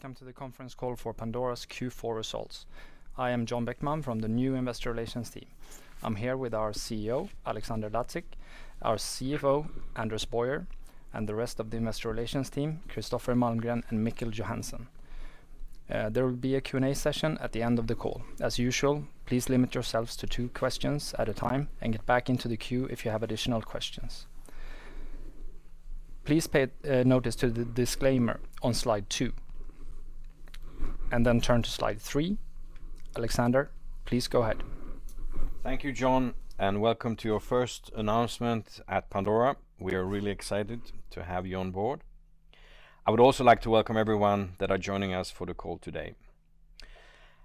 Welcome to the conference call for Pandora's Q4 results. I am John Bäckman from the new Investor Relations team. I'm here with our Chief Executive Officer, Alexander Lacik, our Chief Financial Officer, Anders Boyer, and the rest of the Investor Relations team, Kristoffer Malmgren and Mikkel Johansen. There will be a Q&A session at the end of the call. As usual, please limit yourselves to two questions at a time and get back into the queue if you have additional questions. Please pay notice to the disclaimer on slide two and then turn to slide three. Alexander Lacik, please go ahead. Thank you, John, and welcome to your first announcement at Pandora. We are really excited to have you on board. I would also like to welcome everyone that are joining us for the call today.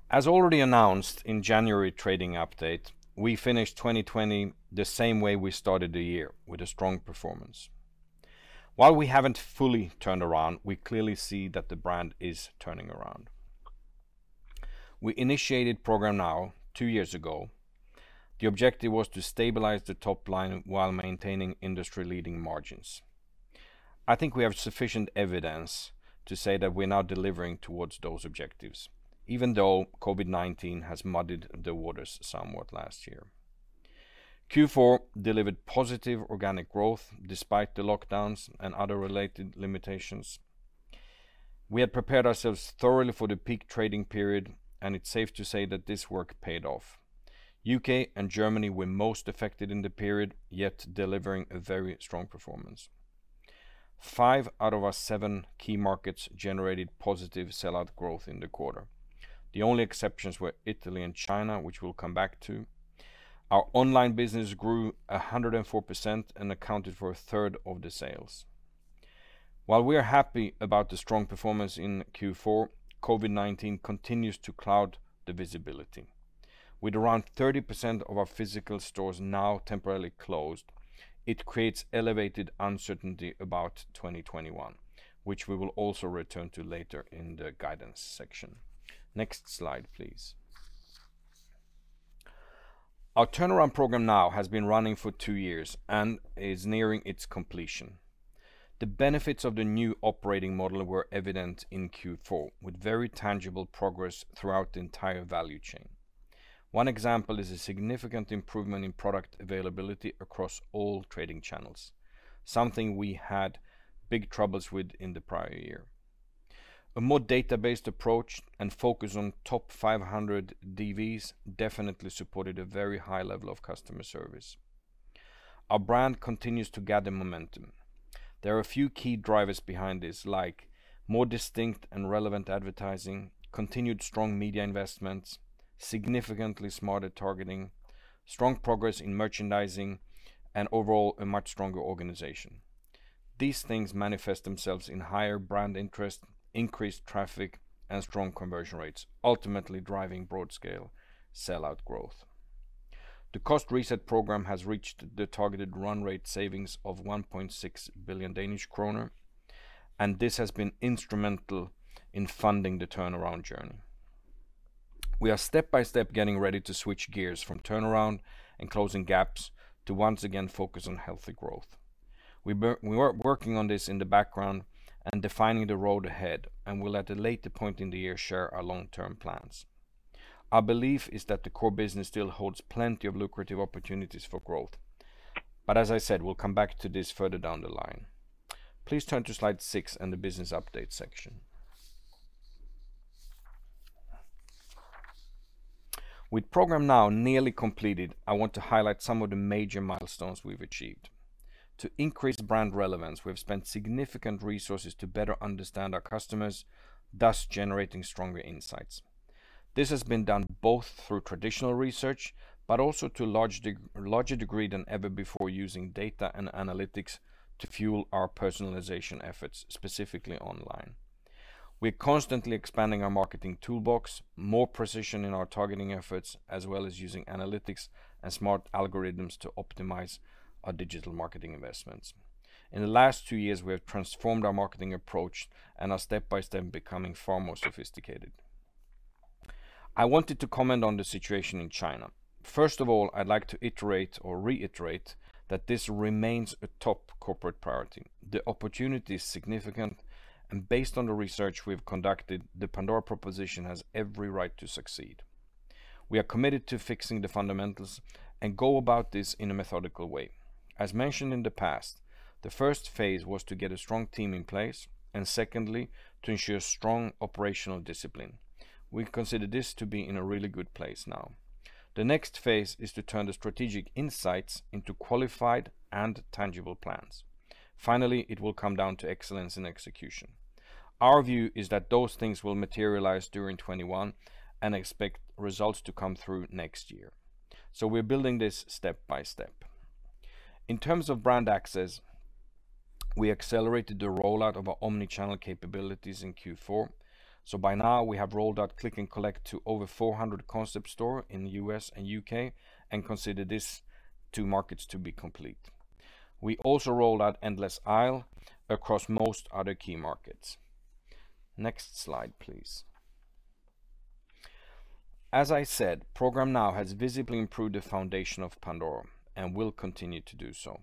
As already announced in January trading update, we finished 2020 the same way we started the year, with a strong performance. While we haven't fully turned around, we clearly see that the brand is turning around. We initiated Programme NOW two years ago. The objective was to stabilize the top line while maintaining industry leading margins. I think we have sufficient evidence to say that we are now delivering towards those objectives, even though COVID-19 has muddied the waters somewhat last year. Q4 delivered positive organic growth despite the lockdowns and other related limitations. We had prepared ourselves thoroughly for the peak trading period, and it's safe to say that this work paid off. U.K. and Germany were most affected in the period, yet delivering a very strong performance. Five out of our seven key markets generated positive sell-out growth in the quarter. The only exceptions were Italy and China, which we'll come back to. Our online business grew 104% and accounted for a third of the sales. While we are happy about the strong performance in Q4, COVID-19 continues to cloud the visibility. With around 30% of our physical stores now temporarily closed, it creates elevated uncertainty about 2021, which we will also return to later in the guidance section. Next slide, please. Our turnaround Programme NOW has been running for two years and is nearing its completion. The benefits of the new operating model were evident in Q4, with very tangible progress throughout the entire value chain. One example is a significant improvement in product availability across all trading channels, something we had big troubles with in the prior year. A more data-based approach and focus on top 500 design variations definitely supported a very high level of customer service. Our brand continues to gather momentum. There are a few key drivers behind this, like more distinct and relevant advertising, continued strong media investments, significantly smarter targeting, strong progress in merchandising, and overall, a much stronger organization. These things manifest themselves in higher brand interest, increased traffic, and strong conversion rates, ultimately driving broad scale sell-out growth. The cost reset program has reached the targeted run rate savings of 1.6 billion Danish kroner, and this has been instrumental in funding the turnaround journey. We are step-by-step getting ready to switch gears from turnaround and closing gaps to once again focus on healthy growth. We are working on this in the background and defining the road ahead, and will at a later point in the year share our long-term plans. Our belief is that the core business still holds plenty of lucrative opportunities for growth. As I said, we'll come back to this further down the line. Please turn to slide six and the business update section. With Programme NOW nearly completed, I want to highlight some of the major milestones we've achieved. To increase brand relevance, we've spent significant resources to better understand our customers, thus generating stronger insights. This has been done both through traditional research, but also to a larger degree than ever before using data and analytics to fuel our personalization efforts, specifically online. We are constantly expanding our marketing toolbox, more precision in our targeting efforts, as well as using analytics and smart algorithms to optimize our digital marketing investments. In the last two years, we have transformed our marketing approach and are step-by-step becoming far more sophisticated. I wanted to comment on the situation in China. First of all, I'd like to iterate or reiterate that this remains a top corporate priority. The opportunity is significant, and based on the research we've conducted, the Pandora proposition has every right to succeed. We are committed to fixing the fundamentals and go about this in a methodical way. As mentioned in the past, the first phase was to get a strong team in place, and secondly, to ensure strong operational discipline. We consider this to be in a really good place now. The next phase is to turn the strategic insights into qualified and tangible plans. Finally, it will come down to excellence and execution. Our view is that those things will materialize during 2021. We expect results to come through next year. We are building this step-by-step. In terms of brand access, we accelerated the rollout of our omnichannel capabilities in Q4. By now, we have rolled out click and collect to over 400 concept store in the U.S. and U.K., and consider these two markets to be complete. We also rolled out endless aisle across most other key markets. Next slide, please. As I said, Programme NOW has visibly improved the foundation of Pandora and will continue to do so.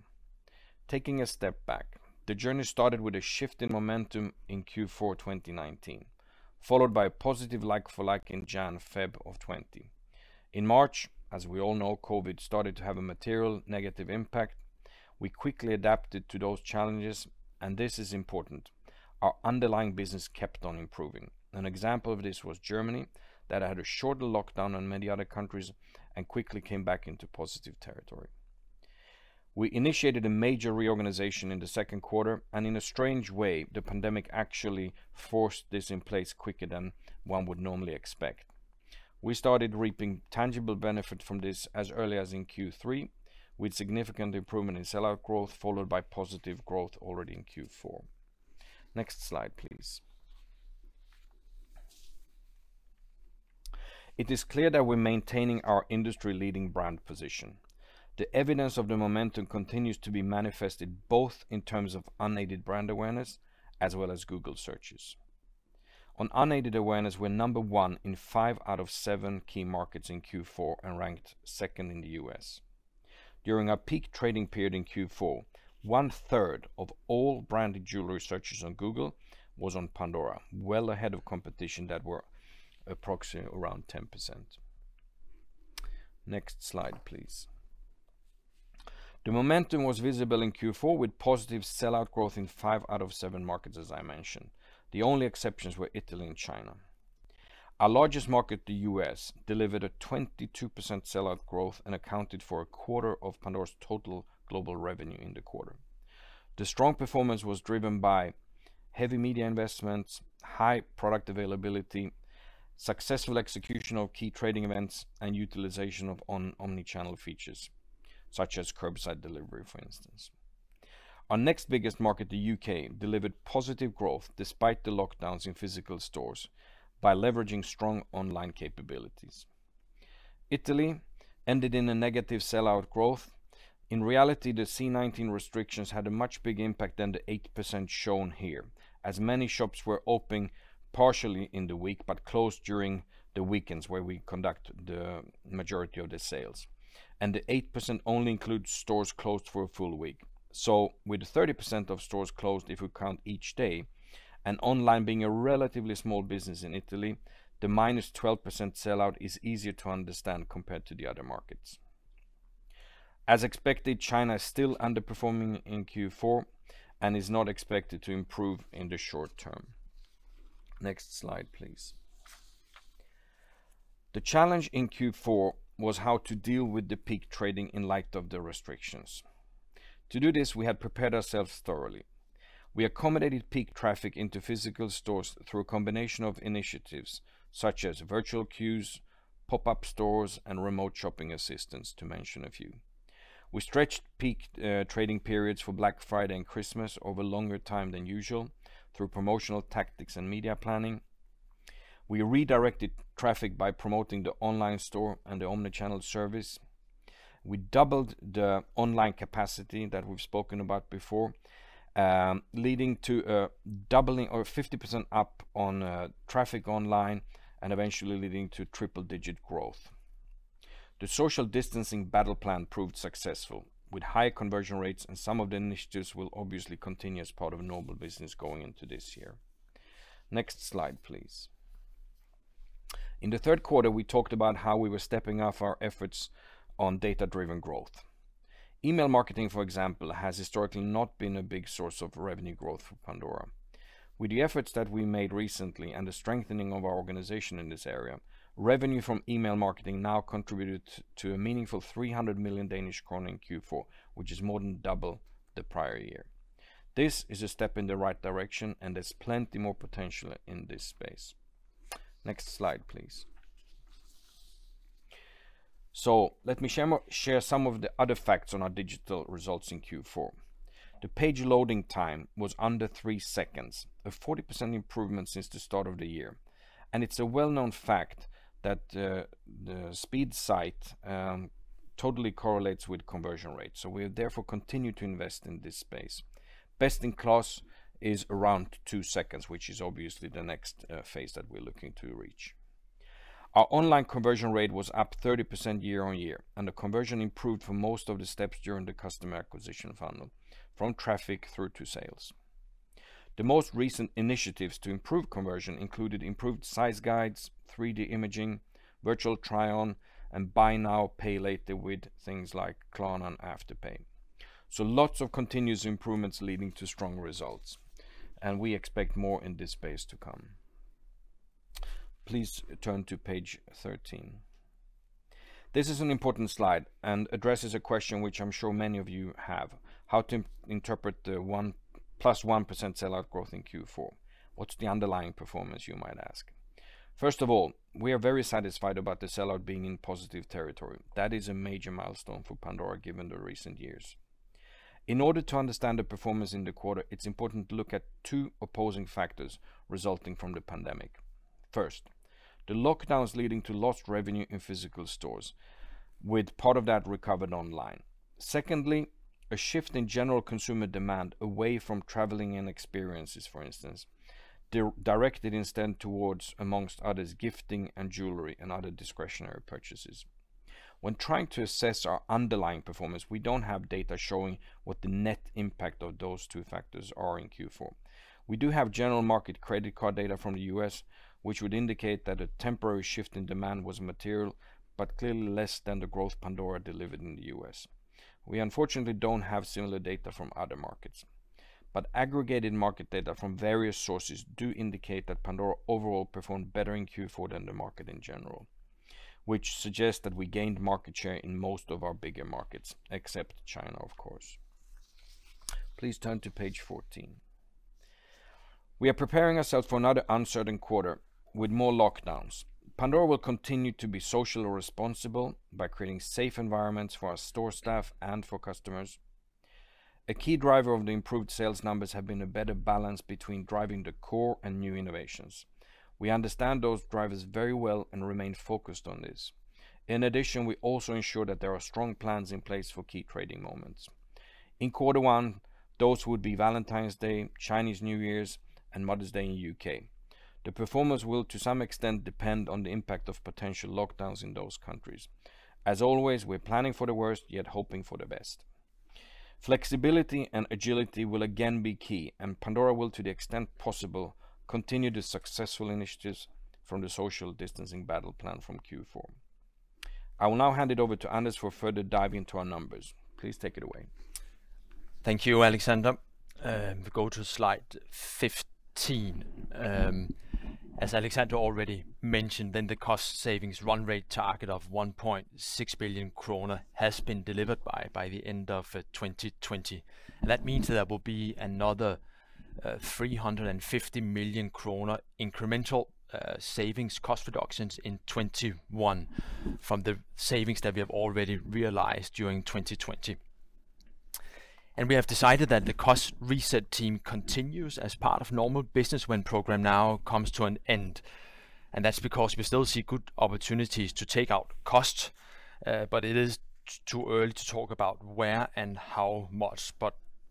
Taking a step back, the journey started with a shift in momentum in Q4 2019, followed by a positive like-for-like in January or February of 2020. In March, as we all know, COVID started to have a material negative impact. We quickly adapted to those challenges. This is important. Our underlying business kept on improving. An example of this was Germany, that had a shorter lockdown than many other countries and quickly came back into positive territory. We initiated a major reorganization in the second quarter. In a strange way, the pandemic actually forced this in place quicker than one would normally expect. We started reaping tangible benefit from this as early as in Q3, with significant improvement in sell-out growth, followed by positive growth already in Q4. Next slide, please. It is clear that we are maintaining our industry-leading brand position. The evidence of the momentum continues to be manifested both in terms of unaided brand awareness as well as Google searches. On unaided awareness, we are number one in five out of seven key markets in Q4 and ranked second in the U.S. During our peak trading period in Q4, 1/3 of all branded jewelry searches on Google was on Pandora, well ahead of competition that were approximately around 10%. Next slide, please. The momentum was visible in Q4 with positive sell-out growth in five out of seven markets, as I mentioned. The only exceptions were Italy and China. Our largest market, the U.S., delivered a 22% sell-out growth and accounted for a quarter of Pandora's total global revenue in the quarter. The strong performance was driven by heavy media investments, high product availability, successful execution of key trading events, and utilization of omni-channel features, such as curbside delivery, for instance. Our next biggest market, the U.K., delivered positive growth despite the lockdowns in physical stores by leveraging strong online capabilities. Italy ended in a negative sell-out growth. In reality, the C-19 restrictions had a much bigger impact than the 8% shown here, as many shops were open partially in the week but closed during the weekends, where we conduct the majority of the sales. The 8% only includes stores closed for a full week. With 30% of stores closed, if we count each day, and online being a relatively small business in Italy, the -12% sell-out is easier to understand compared to the other markets. As expected, China is still underperforming in Q4 and is not expected to improve in the short term. Next slide, please. The challenge in Q4 was how to deal with the peak trading in light of the restrictions. To do this, we had prepared ourselves thoroughly. We accommodated peak traffic into physical stores through a combination of initiatives, such as virtual queues, pop-up stores, and remote shopping assistance, to mention a few. We stretched peak trading periods for Black Friday and Christmas over longer time than usual through promotional tactics and media planning. We redirected traffic by promoting the online store and the omni-channel service. We doubled the online capacity that we have spoken about before, leading to a doubling or 50% up on traffic online and eventually leading to triple-digit growth. The social distancing battle plan proved successful with high conversion rates, and some of the initiatives will obviously continue as part of normal business going into this year. Next slide, please. In the third quarter, we talked about how we were stepping up our efforts on data-driven growth. Email marketing, for example, has historically not been a big source of revenue growth for Pandora. With the efforts that we made recently and the strengthening of our organization in this area, revenue from email marketing now contributed to a meaningful 300 million Danish kroner in Q4, which is more than double the prior year. This is a step in the right direction, and there's plenty more potential in this space. Next slide, please. Let me share some of the other facts on our digital results in Q4. The page loading time was under three seconds, a 40% improvement since the start of the year. It's a well-known fact that the speed site totally correlates with conversion rate, so we therefore continue to invest in this space. Best in class is around two seconds, which is obviously the next phase that we are looking to reach. Our online conversion rate was up 30% year-on-year, and the conversion improved for most of the steps during the customer acquisition funnel, from traffic through to sales. The most recent initiatives to improve conversion included improved size guides, 3D imaging, virtual try-on, and buy now, pay later with things like Klarna and Afterpay. Lots of continuous improvements leading to strong results, and we expect more in this space to come. Please turn to page 13. This is an important slide and addresses a question which I am sure many of you have, how to interpret the +1% sell-out growth in Q4. What's the underlying performance, you might ask. First of all, we are very satisfied about the sell-out being in positive territory. That is a major milestone for Pandora given the recent years. In order to understand the performance in the quarter, it's important to look at two opposing factors resulting from the pandemic. First, the lockdowns leading to lost revenue in physical stores, with part of that recovered online. Secondly, a shift in general consumer demand away from traveling and experiences, for instance, directed instead towards, amongst others, gifting and jewelry, and other discretionary purchases. When trying to assess our underlying performance, we don't have data showing what the net impact of those two factors are in Q4. We do have general market credit card data from the U.S., which would indicate that a temporary shift in demand was material, but clearly less than the growth Pandora delivered in the U.S. We unfortunately don't have similar data from other markets, but aggregated market data from various sources do indicate that Pandora overall performed better in Q4 than the market in general, which suggests that we gained market share in most of our bigger markets, except China, of course. Please turn to page 14. We are preparing ourselves for another uncertain quarter with more lockdowns. Pandora will continue to be socially responsible by creating safe environments for our store staff and for customers. A key driver of the improved sales numbers have been a better balance between driving the core and new innovations. We understand those drivers very well and remain focused on this. In addition, we also ensure that there are strong plans in place for key trading moments. In quarter one, those would be Valentine's Day, Chinese New Year's, and Mother's Day in U.K. The performance will, to some extent, depend on the impact of potential lockdowns in those countries. As always, we're planning for the worst, yet hoping for the best. Flexibility and agility will again be key, Pandora will, to the extent possible, continue the successful initiatives from the social distancing battle plan from Q4. I will now hand it over to Anders Boyer for further dive into our numbers. Please take it away. Thank you, Alexander. If we go to slide 15. As Alexander already mentioned, the cost savings run rate target of 1.6 billion kroner has been delivered by the end of 2020. That means there will be another 350 million kroner incremental savings cost reductions in 2021 from the savings that we have already realized during 2020. We have decided that the cost reset team continues as part of normal business when Programme NOW comes to an end, and that's because we still see good opportunities to take out costs. It is too early to talk about where and how much.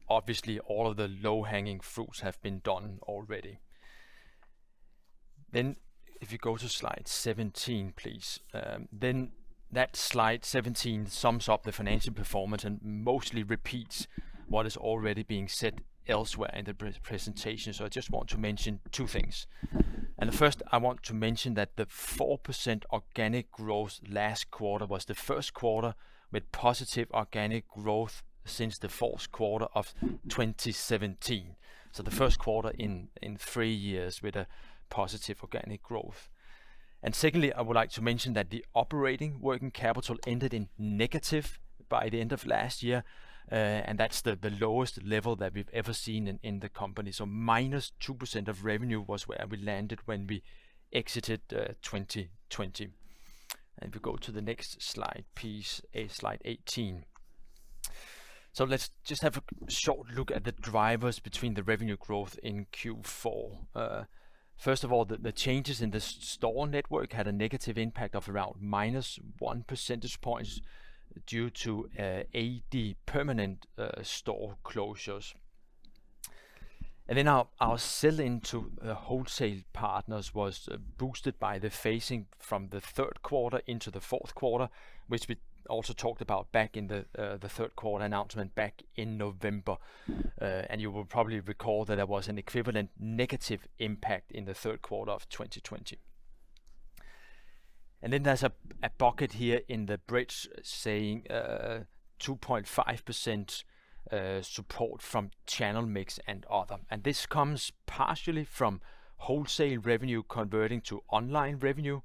Obviously all of the low-hanging fruits have been done already. If you go to slide 17, please. That slide 17 sums up the financial performance and mostly repeats what is already being said elsewhere in the presentation, so I just want to mention two things. The first, I want to mention that the 4% organic growth last quarter was the first quarter with positive organic growth since the fourth quarter of 2017. The first quarter in three years with a positive organic growth. Secondly, I would like to mention that the operating working capital ended in negative by the end of last year. That's the lowest level that we've ever seen in the company. -2% of revenue was where we landed when we exited 2020. If we go to the next slide, please. Slide 18. Let's just have a short look at the drivers between the revenue growth in Q4. First of all, the changes in the store network had a negative impact of around minus one percentage points due to 80 permanent store closures. Our sell-in to the wholesale partners was boosted by the phasing from the third quarter into the fourth quarter, which we also talked about back in the third quarter announcement back in November. You will probably recall that there was an equivalent negative impact in the third quarter of 2020. There's a pocket here in the bridge saying, 2.5% support from channel mix and other. This comes partially from wholesale revenue converting to online revenue,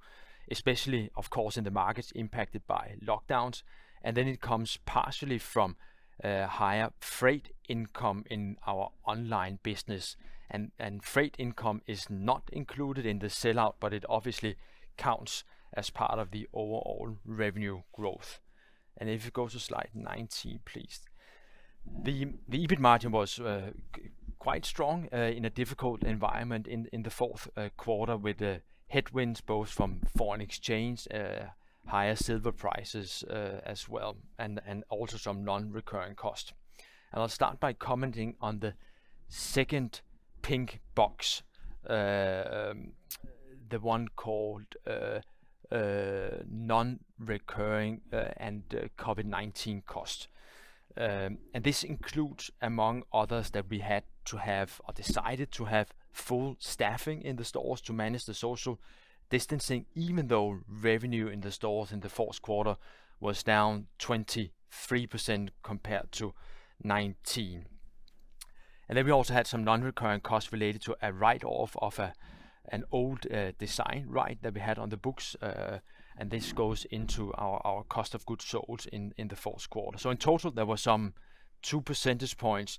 especially, of course, in the markets impacted by lockdowns. It comes partially from higher freight income in our online business, and freight income is not included in the sell-out, but it obviously counts as part of the overall revenue growth. If you go to slide 19, please. The EBIT margin was quite strong in a difficult environment in the fourth quarter with the headwinds, both from foreign exchange, higher silver prices as well, and also some non-recurring costs. I'll start by commenting on the second pink box, the one called non-recurring and COVID-19 costs. This includes, among others, that we had to have or decided to have full staffing in the stores to manage the social distancing, even though revenue in the stores in the fourth quarter was down 23% compared to 2019. We also had some non-recurring costs related to a write-off of an old design right that we had on the books, and this goes into our cost of goods sold in the fourth quarter. In total, there were some two percentage points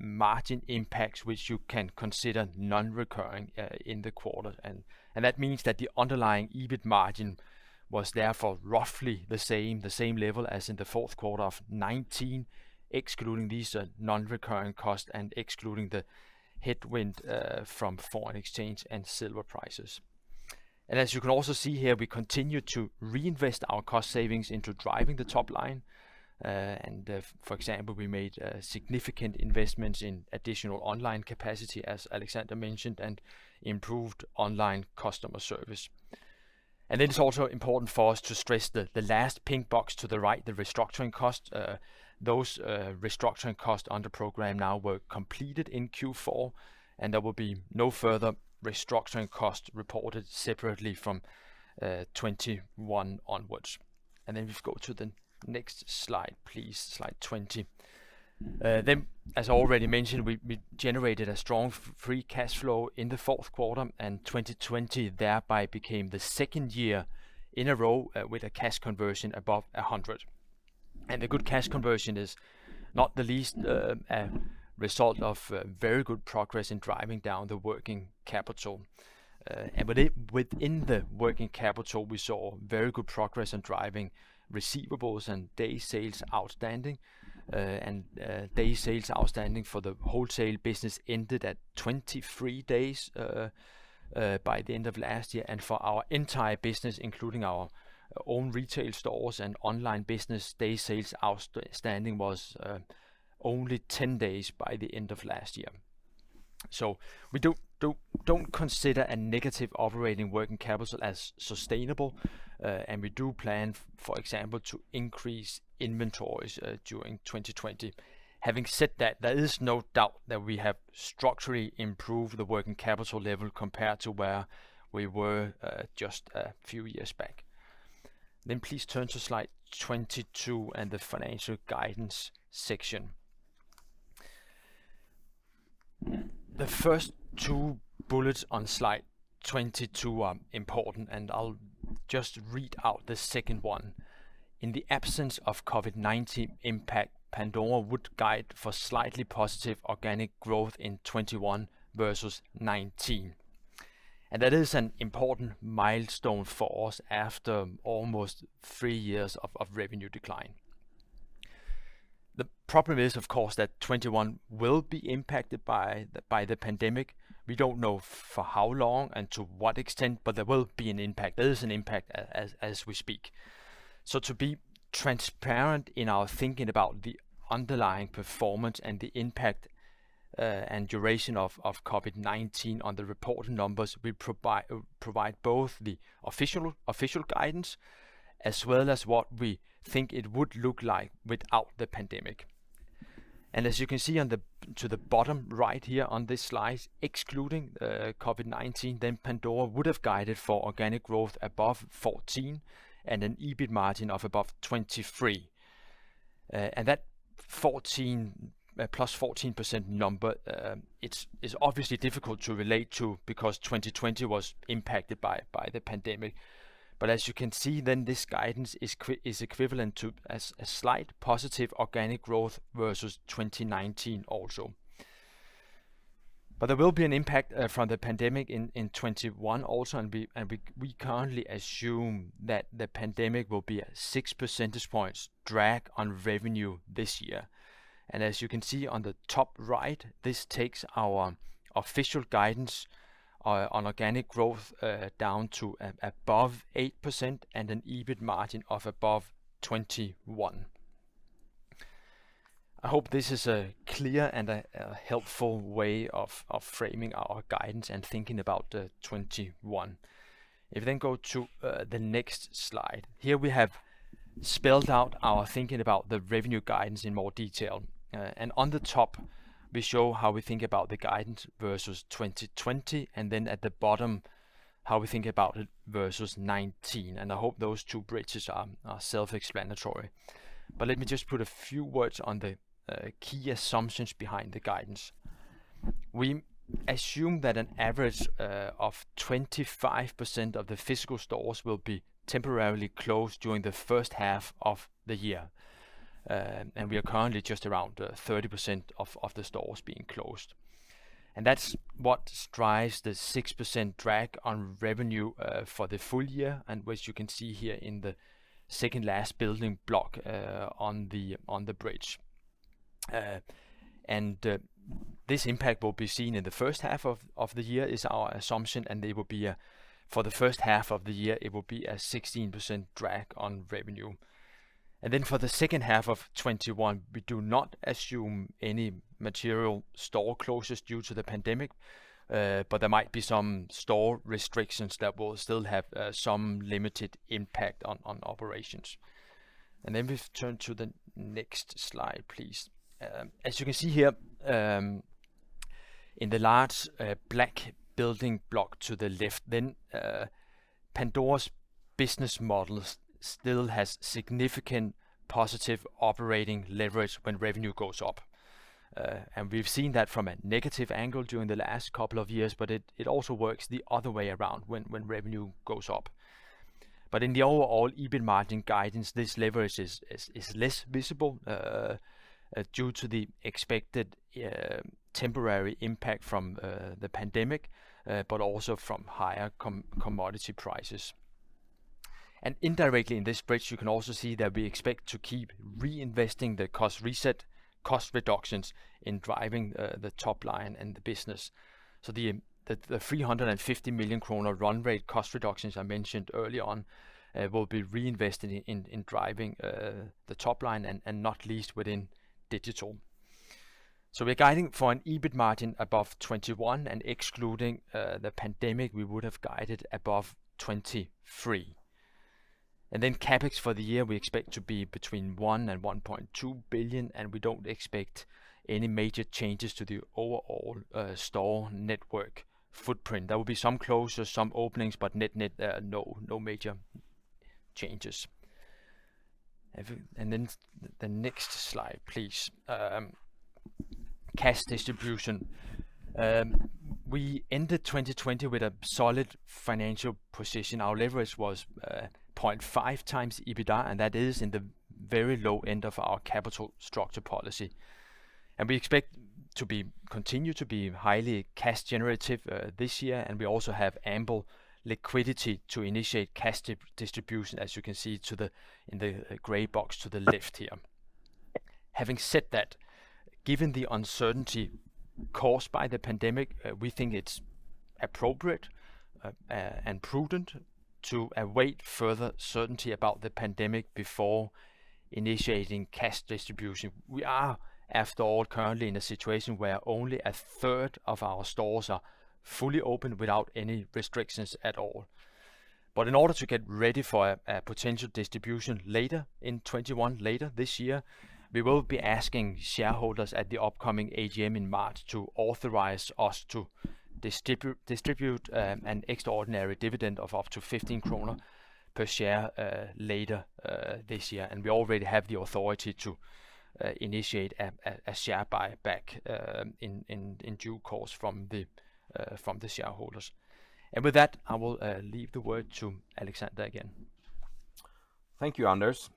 margin impacts, which you can consider non-recurring in the quarter. That means that the underlying EBIT margin was therefore roughly the same level as in the fourth quarter of 2019, excluding these non-recurring costs and excluding the headwind from foreign exchange and silver prices. As you can also see here, we continue to reinvest our cost savings into driving the top line. For example, we made significant investments in additional online capacity, as Alexander mentioned, and improved online customer service. It's also important for us to stress the last pink box to the right, the restructuring cost. Those restructuring cost under Programme NOW were completed in Q4, and there will be no further restructuring cost reported separately from 2021 onwards. If you go to the next slide, please, slide 20. As already mentioned, we generated a strong free cash flow in the fourth quarter, and 2020 thereby became the second year in a row with a cash conversion above 100. The good cash conversion is not the least result of very good progress in driving down the working capital. Within the working capital, we saw very good progress in driving receivables and day sales outstanding. Day sales outstanding for the wholesale business ended at 23 days by the end of last year. For our entire business, including our own retail stores and online business, day sales outstanding was only 10 days by the end of last year. We don't consider a negative operating working capital as sustainable, and we do plan, for example, to increase inventories during 2020. Having said that, there is no doubt that we have structurally improved the working capital level compared to where we were just a few years back. Please turn to slide 22 and the financial guidance section. The first two bullets on slide 22 are important, and I'll just read out the second one. In the absence of COVID-19 impact, Pandora would guide for slightly positive organic growth in 2021 versus 2019. That is an important milestone for us after almost three years of revenue decline. The problem is, of course, that 2021 will be impacted by the pandemic. We don't know for how long and to what extent, there will be an impact. There is an impact as we speak. To be transparent in our thinking about the underlying performance and the impact and duration of COVID-19 on the reported numbers, we provide both the official guidance as well as what we think it would look like without the pandemic. As you can see to the bottom right here on this slide, excluding COVID-19, Pandora would have guided for organic growth above 14% and an EBIT margin of above 23%. That +14% number, it's obviously difficult to relate to because 2020 was impacted by the pandemic. As you can see then, this guidance is equivalent to a slight positive organic growth versus 2019 also. There will be an impact from the pandemic in 2021 also, and we currently assume that the pandemic will be a 6 percentage points drag on revenue this year. As you can see on the top right, this takes our official guidance on organic growth down to above 8% and an EBIT margin of above 21%. I hope this is a clear and a helpful way of framing our guidance and thinking about 2021. If you then go to the next slide. Here we have spelled out our thinking about the revenue guidance in more detail. On the top, we show how we think about the guidance versus 2020, and then at the bottom, how we think about it versus 2019. I hope those two bridges are self-explanatory. Let me just put a few words on the key assumptions behind the guidance. We assume that an average of 25% of the physical stores will be temporarily closed during the first half of the year. We are currently just around 30% of the stores being closed. That's what drives the 6% drag on revenue for the full year, which you can see here in the second last building block on the bridge. This impact will be seen in the first half of the year is our assumption, and for the first half of the year, it will be a 16% drag on revenue. For the second half of 2021, we do not assume any material store closures due to the pandemic, but there might be some store restrictions that will still have some limited impact on operations. If we turn to the next slide, please. As you can see here, in the large black building block to the left, Pandora's business model still has significant positive operating leverage when revenue goes up. We've seen that from a negative angle during the last couple of years, but it also works the other way around when revenue goes up. In the overall EBIT margin guidance, this leverage is less visible due to the expected temporary impact from the pandemic, but also from higher commodity prices. Indirectly in this bridge, you can also see that we expect to keep reinvesting the cost reset, cost reductions in driving the top line and the business. The 350 million kroner run rate cost reductions I mentioned early on will be reinvested in driving the top line and not least within digital. We're guiding for an EBIT margin above 21% and excluding the pandemic, we would have guided above 23%. CapEx for the year, we expect to be between 1 billion and 1.2 billion, we don't expect any major changes to the overall store network footprint. There will be some closures, some openings, but net, no major changes. The next slide, please. Cash distribution. We ended 2020 with a solid financial position. Our leverage was 0.5x EBITDA, and that is in the very low end of our capital structure policy. We expect to continue to be highly cash generative this year, and we also have ample liquidity to initiate cash distribution, as you can see in the gray box to the left here. Having said that, given the uncertainty caused by the pandemic, we think it's appropriate and prudent to await further certainty about the pandemic before initiating cash distribution. We are, after all, currently in a situation where only a third of our stores are fully open without any restrictions at all. In order to get ready for a potential distribution later in 2021, later this year, we will be asking shareholders at the upcoming AGM in March to authorize us to distribute an extraordinary dividend of up to 15 kroner per share later this year. We already have the authority to initiate a share buyback in due course from the shareholders. With that, I will leave the word to Alexander again. Thank you, Anders.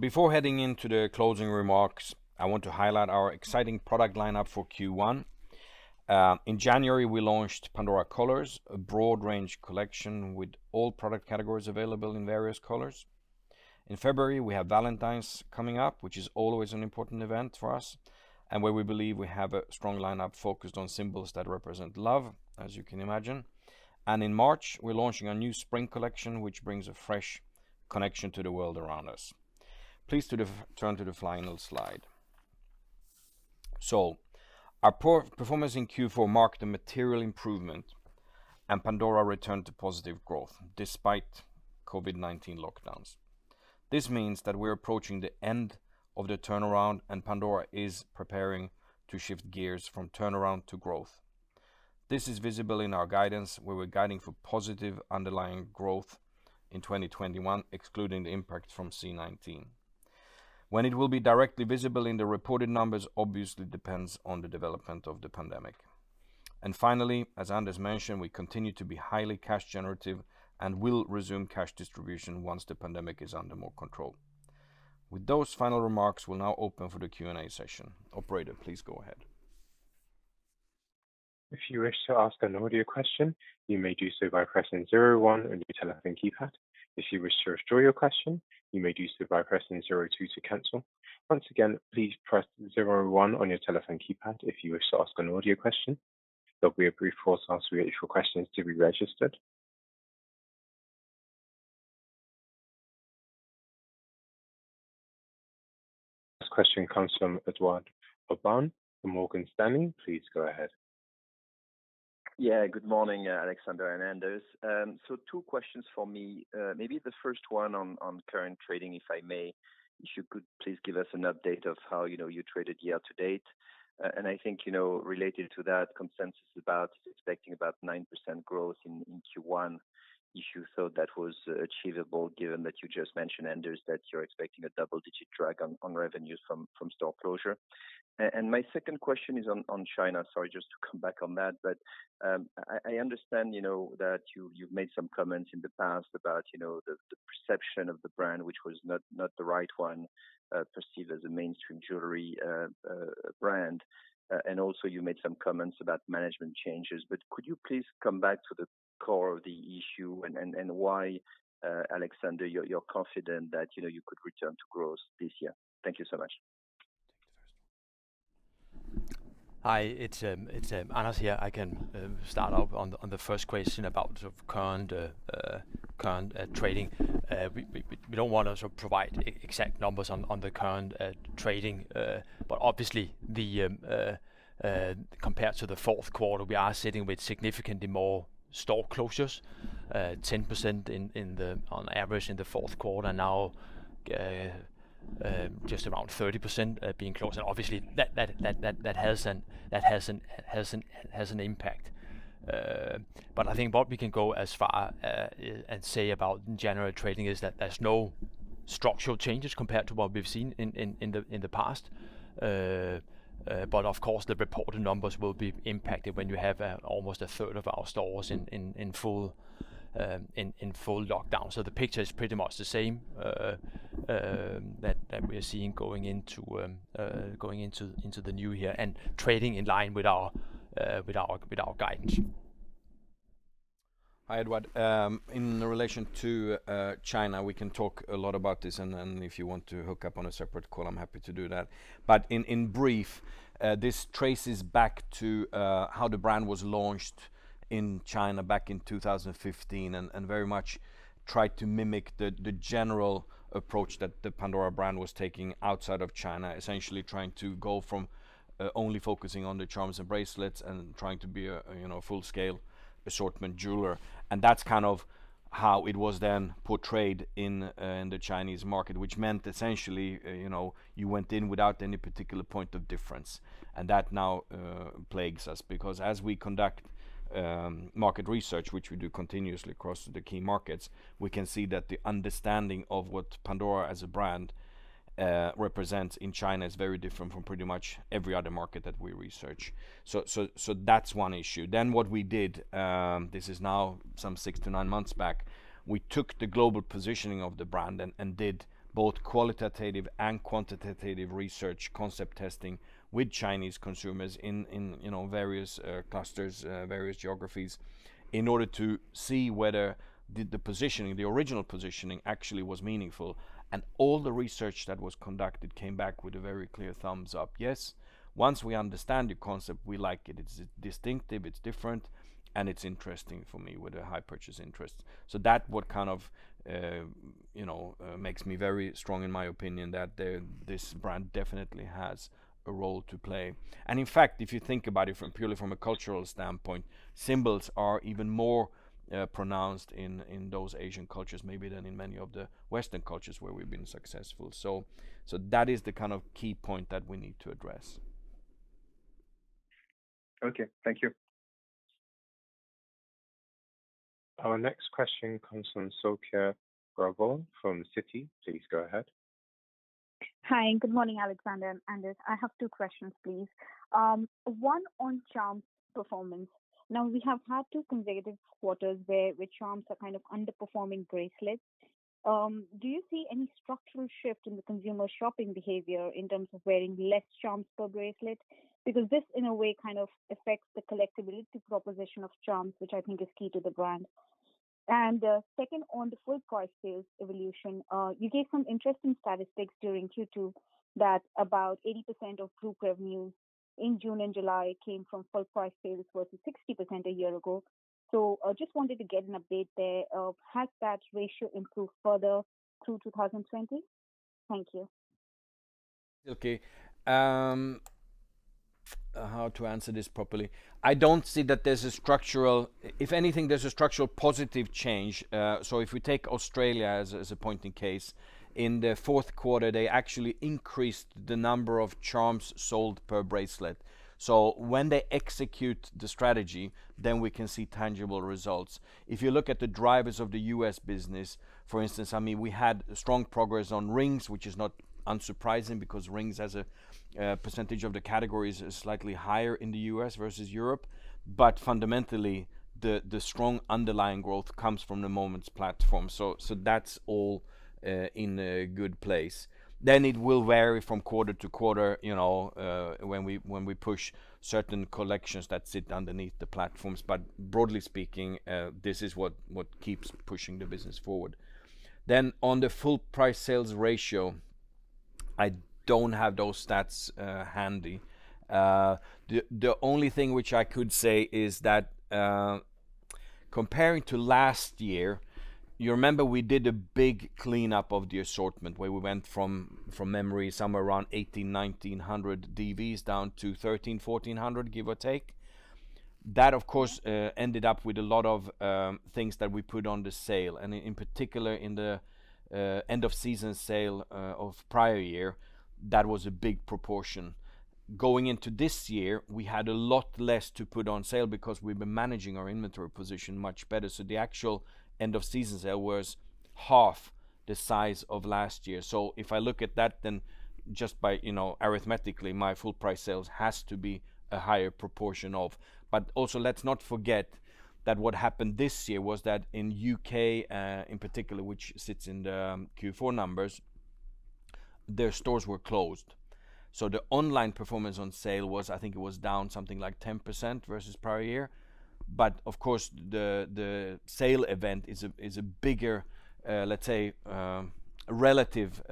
Before heading into the closing remarks, I want to highlight our exciting product lineup for Q1. In January, we launched Pandora Colours, a broad range collection with all product categories available in various colors. In February, we have Valentine's coming up, which is always an important event for us, and where we believe we have a strong lineup focused on symbols that represent love, as you can imagine. In March, we're launching our new spring collection, which brings a fresh connection to the world around us. Please turn to the final slide. Our performance in Q4 marked a material improvement, and Pandora returned to positive growth despite COVID-19 lockdowns. This means that we're approaching the end of the turnaround, and Pandora is preparing to shift gears from turnaround to growth. This is visible in our guidance, where we're guiding for positive underlying growth in 2021, excluding the impact from C-19. When it will be directly visible in the reported numbers obviously depends on the development of the pandemic. Finally, as Anders mentioned, we continue to be highly cash generative and will resume cash distribution once the pandemic is under more control. With those final remarks, we'll now open for the Q&A session. Operator, please go ahead. If you wish to ask an audio question, you may do so by pressing zero one on your telephone keypad. If you wish to withdraw your question, you may do so by pressing zero two to cancel. Once again, please press zero one on your telephone keypad if you wish to ask an audio question. There will be a brief pause after each question to be registered. First question comes from Edouard Aubin from Morgan Stanley. Please go ahead. Good morning, Alexander and Anders. Two questions for me. Maybe the first one on current trading, if I may. If you could please give us an update of how you traded year to date? I think, related to that consensus about expecting about 9% growth in Q1, if you thought that was achievable given that you just mentioned, Anders, that you're expecting a double-digit drag on revenues from store closure. My second question is on China, sorry, just to come back on that. I understand that you've made some comments in the past about the perception of the brand, which was not the right one, perceived as a mainstream jewelry brand. Also you made some comments about management changes, could you please come back to the core of the issue and why, Alexander, you're confident that you could return to growth this year? Thank you so much. Hi, it's Anders here. I can start out on the first question about sort of current trading. We don't want to sort of provide exact numbers on the current trading. Obviously, compared to the fourth quarter, we are sitting with significantly more store closures, 10% on average in the fourth quarter, now just around 30% being closed. Obviously that has an impact. I think what we can go as far and say about general trading is that there's no structural changes compared to what we've seen in the past. Of course, the reported numbers will be impacted when you have almost a third of our stores in full lockdown. The picture is pretty much the same that we're seeing going into the new year and trading in line with our guidance. Hi, Edouard. In relation to China, we can talk a lot about this, and if you want to hook up on a separate call, I'm happy to do that. In brief, this traces back to how the brand was launched in China back in 2015 and very much tried to mimic the general approach that the Pandora brand was taking outside of China, essentially trying to go from only focusing on the charms and bracelets and trying to be a full-scale assortment jeweler. That's kind of how it was then portrayed in the Chinese market, which meant essentially, you went in without any particular point of difference. That now plagues us because as we conduct market research, which we do continuously across the key markets, we can see that the understanding of what Pandora as a brand represents in China is very different from pretty much every other market that we research. That's one issue. What we did, this is now some six to nine months back, we took the global positioning of the brand and did both qualitative and quantitative research concept testing with Chinese consumers in various clusters, various geographies in order to see whether the positioning, the original positioning, actually was meaningful. All the research that was conducted came back with a very clear thumbs up. Yes, once we understand the concept, we like it. It's distinctive, it's different, and it's interesting for me with a high purchase interest. That what kind of makes me very strong in my opinion that this brand definitely has a role to play. In fact, if you think about it from purely from a cultural standpoint, symbols are even more pronounced in those Asian cultures maybe than in many of the Western cultures where we've been successful. That is the kind of key point that we need to address. Okay. Thank you. Our next question comes from Silky Agarwal from Citi. Please go ahead. Hi, good morning, Alexander and Anders. I have two questions, please. One on charms performance. Now we have had two consecutive quarters where charms are kind of underperforming bracelets. Do you see any structural shift in the consumer shopping behavior in terms of wearing less charms per bracelet? This, in a way, kind of affects the collectibility proposition of charms, which I think is key to the brand. Second, on the full price sales evolution, you gave some interesting statistics during Q2 that about 80% of group revenue in June and July came from full price sales versus 60% a year ago. I just wanted to get an update there of has that ratio improved further through 2020? Thank you. Okay. How to answer this properly. I don't see that there's a structural positive change. If we take Australia as a point in case, in the fourth quarter, they actually increased the number of charms sold per bracelet. When they execute the strategy, we can see tangible results. If you look at the drivers of the U.S. business, for instance, we had strong progress on rings, which is not unsurprising because rings as a percentage of the categories is slightly higher in the U.S. versus Europe. Fundamentally, the strong underlying growth comes from the Moments platform. That's all in a good place. It will vary from quarter to quarter, when we push certain collections that sit underneath the platforms. Broadly speaking, this is what keeps pushing the business forward. On the full price sales ratio, I don't have those stats handy. The only thing which I could say is that, comparing to last year, you remember we did a big cleanup of the assortment where we went from memory somewhere around 1,800, 1,900 DVs down to 1,300, 1,400, give or take. That of course, ended up with a lot of things that we put on the sale, and in particular in the end of season sale of prior year, that was a big proportion. Going into this year, we had a lot less to put on sale because we've been managing our inventory position much better. The actual end of season sale was half the size of last year. If I look at that, then just by arithmetically, my full price sales has to be a higher proportion of. Also, let's not forget that what happened this year was that in U.K., in particular, which sits in the Q4 numbers, their stores were closed. The online performance on sale was, I think it was down something like 10% versus prior year. Of course, the sale event is a bigger, let's say, relative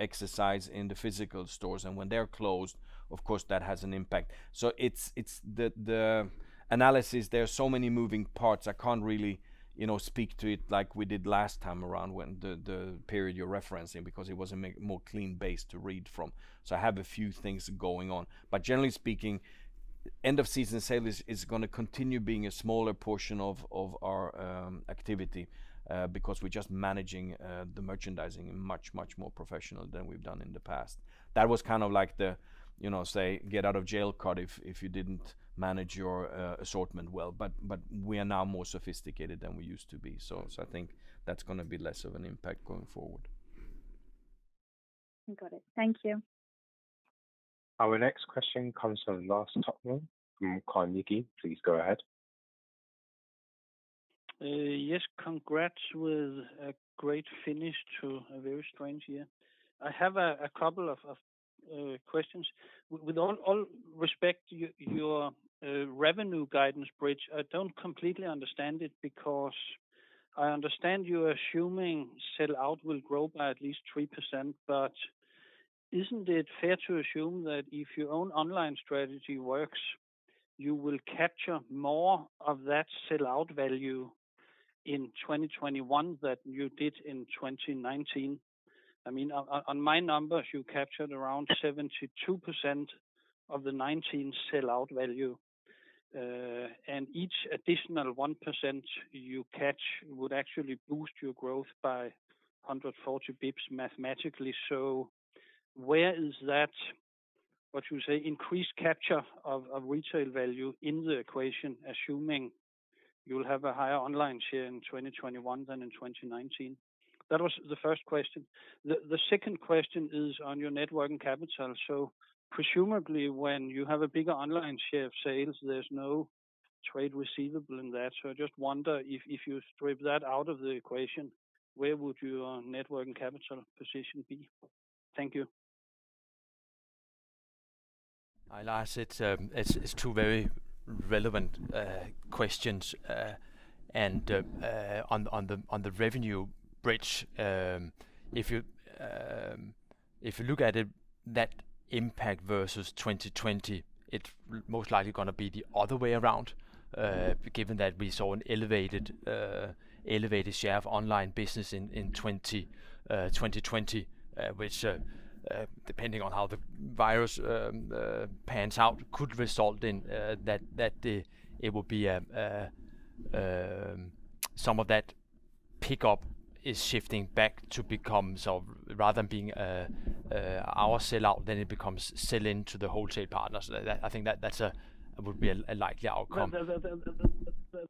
exercise in the physical stores. When they're closed, of course that has an impact. It's the analysis, there are so many moving parts, I can't really speak to it like we did last time around when the period you're referencing, because it was a more clean base to read from. I have a few things going on, but generally speaking, end of season sales is going to continue being a smaller portion of our activity, because we're just managing the merchandising much, much more professional than we've done in the past. That was kind of like the get out of jail card if you didn't manage your assortment well, but we are now more sophisticated than we used to be. I think that's going to be less of an impact going forward. Got it. Thank you. Our next question comes from Lars Topholm from Carnegie. Please go ahead. Yes. Congrats with a great finish to a very strange year. I have a couple of questions. With all respect to your revenue guidance bridge, I don't completely understand it, because I understand you're assuming sell-out will grow by at least 3%, but isn't it fair to assume that if your own online strategy works, you will capture more of that sell-out value in 2021 than you did in 2019? On my numbers, you captured around 72% of the 2019 sell-out value. Each additional 1% you catch would actually boost your growth by 140 basis points mathematically. Where is that, what you say, increased capture of retail value in the equation, assuming you'll have a higher online share in 2021 than in 2019? That was the first question. The second question is on your net working capital. Presumably, when you have a bigger online share of sales, there's no trade receivable in that. I just wonder, if you strip that out of the equation, where would your net working capital position be? Thank you. Hi, Lars. It's two very relevant questions. On the revenue bridge, if you look at it, that impact versus 2020, it's most likely going to be the other way around, given that we saw an elevated share of online business in 2020, which, depending on how the virus pans out, could result in some of that pickup shifting back to become, rather than being our sell-out, then it becomes sell-in to the wholesale partners. I think that would be a likely outcome.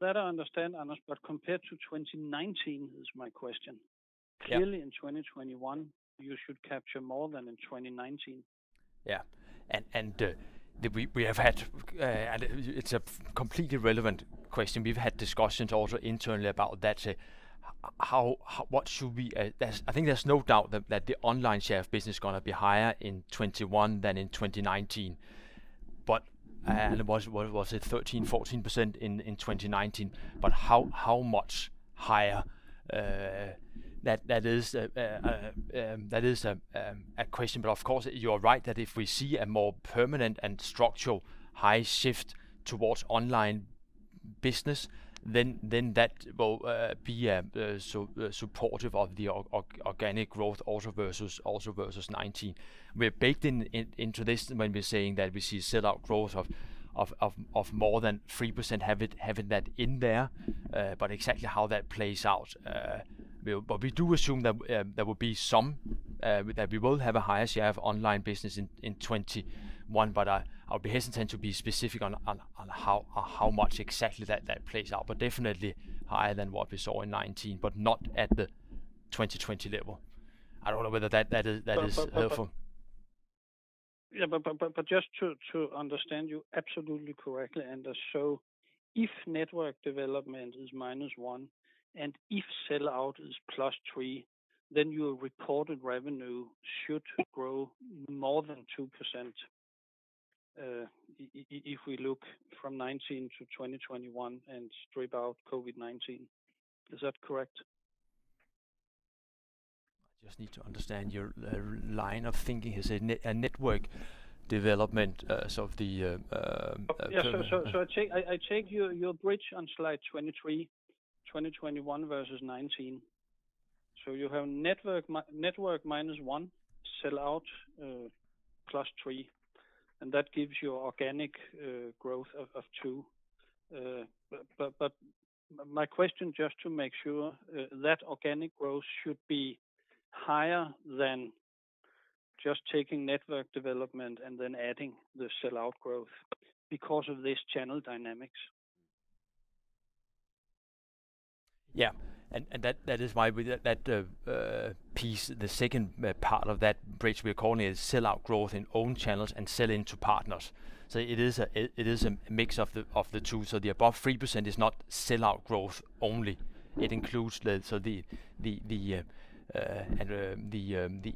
That I understand, Anders, but compared to 2019 is my question? Yeah. Clearly, in 2021, you should capture more than in 2019. Yeah. It's a completely relevant question. We've had discussions also internally about that too. I think there's no doubt that the online share of business is going to be higher in 2021 than in 2019. What was it, 13%, 14% in 2019? How much higher? That is a question. Of course, you're right, that if we see a more permanent and structural high shift towards online business, then that will be supportive of the organic growth also versus 2019. We have baked into this when we're saying that we see sell-out growth of more than 3% having that in there. Exactly how that plays out. We do assume that we will have a higher share of online business in 2021. I would be hesitant to be specific on how much exactly that plays out. Definitely higher than what we saw in 2019, but not at the 2020 level. I don't know whether that is helpful. Just to understand you absolutely correctly, Anders. If network development is -1%, and if sell-out is +3%, then your recorded revenue should grow more than 2%, if we look from 2019 to 2021 and strip out COVID-19. Is that correct? I just need to understand your line of thinking. You said network development of. Yeah. I take your bridge on slide 23, 2021 versus 2019. You have network -1%, sell-out +3%, and that gives you organic growth of 2%. My question, just to make sure, that organic growth should be higher than just taking network development and then adding the sell-out growth because of this channel dynamics. Yeah. That is why that piece, the second part of that bridge we are calling is sell-out growth in own channels and sell-in to partners. It is a mix of the two. The above 3% is not sell-out growth only. It includes the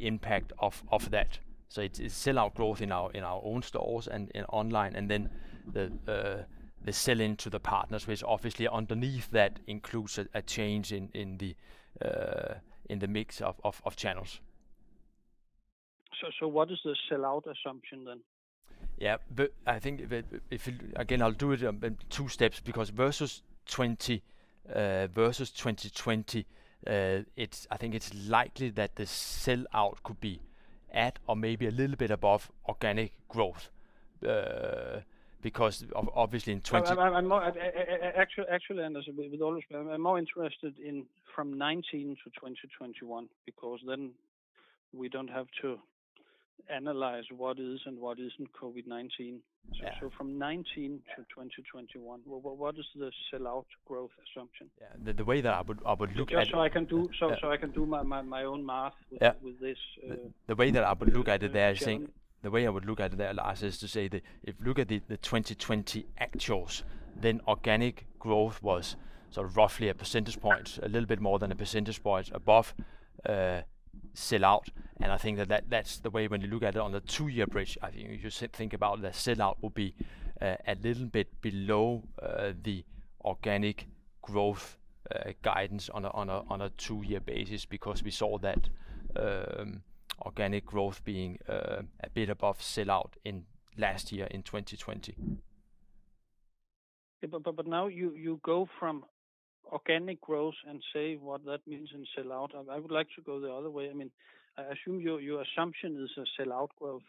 impact of that. It's sell-out growth in our own stores and in online, and then the sell-in to the partners, which obviously underneath that includes a change in the mix of channels. What is the sell-out assumption then? Yeah. I think, again, I'll do it in two steps, because versus 2020, I think it's likely that the sell-out could be at or maybe a little bit above organic growth. Actually, Anders, with all respect, I'm more interested in from 2019 to 2021, because then we don't have to analyze what is and what isn't COVID-19. Yeah. From 2019 to 2021, what is the sell-out growth assumption? Yeah. The way that I would look at it. Just so I can do my own math with this. The way that I would look at it there, Lars, is to say that if you look at the 2020 actuals, then organic growth was roughly a percentage point, a little bit more than a percentage point above sell-out. I think that's the way when you look at it on the two-year bridge, I think if you think about the sell-out will be a little bit below the organic growth guidance on a two-year basis, because we saw that organic growth being a bit above sell-out in last year, in 2020. Now you go from organic growth and say what that means in sell-out. I would like to go the other way. I assume your assumption is a sell-out growth,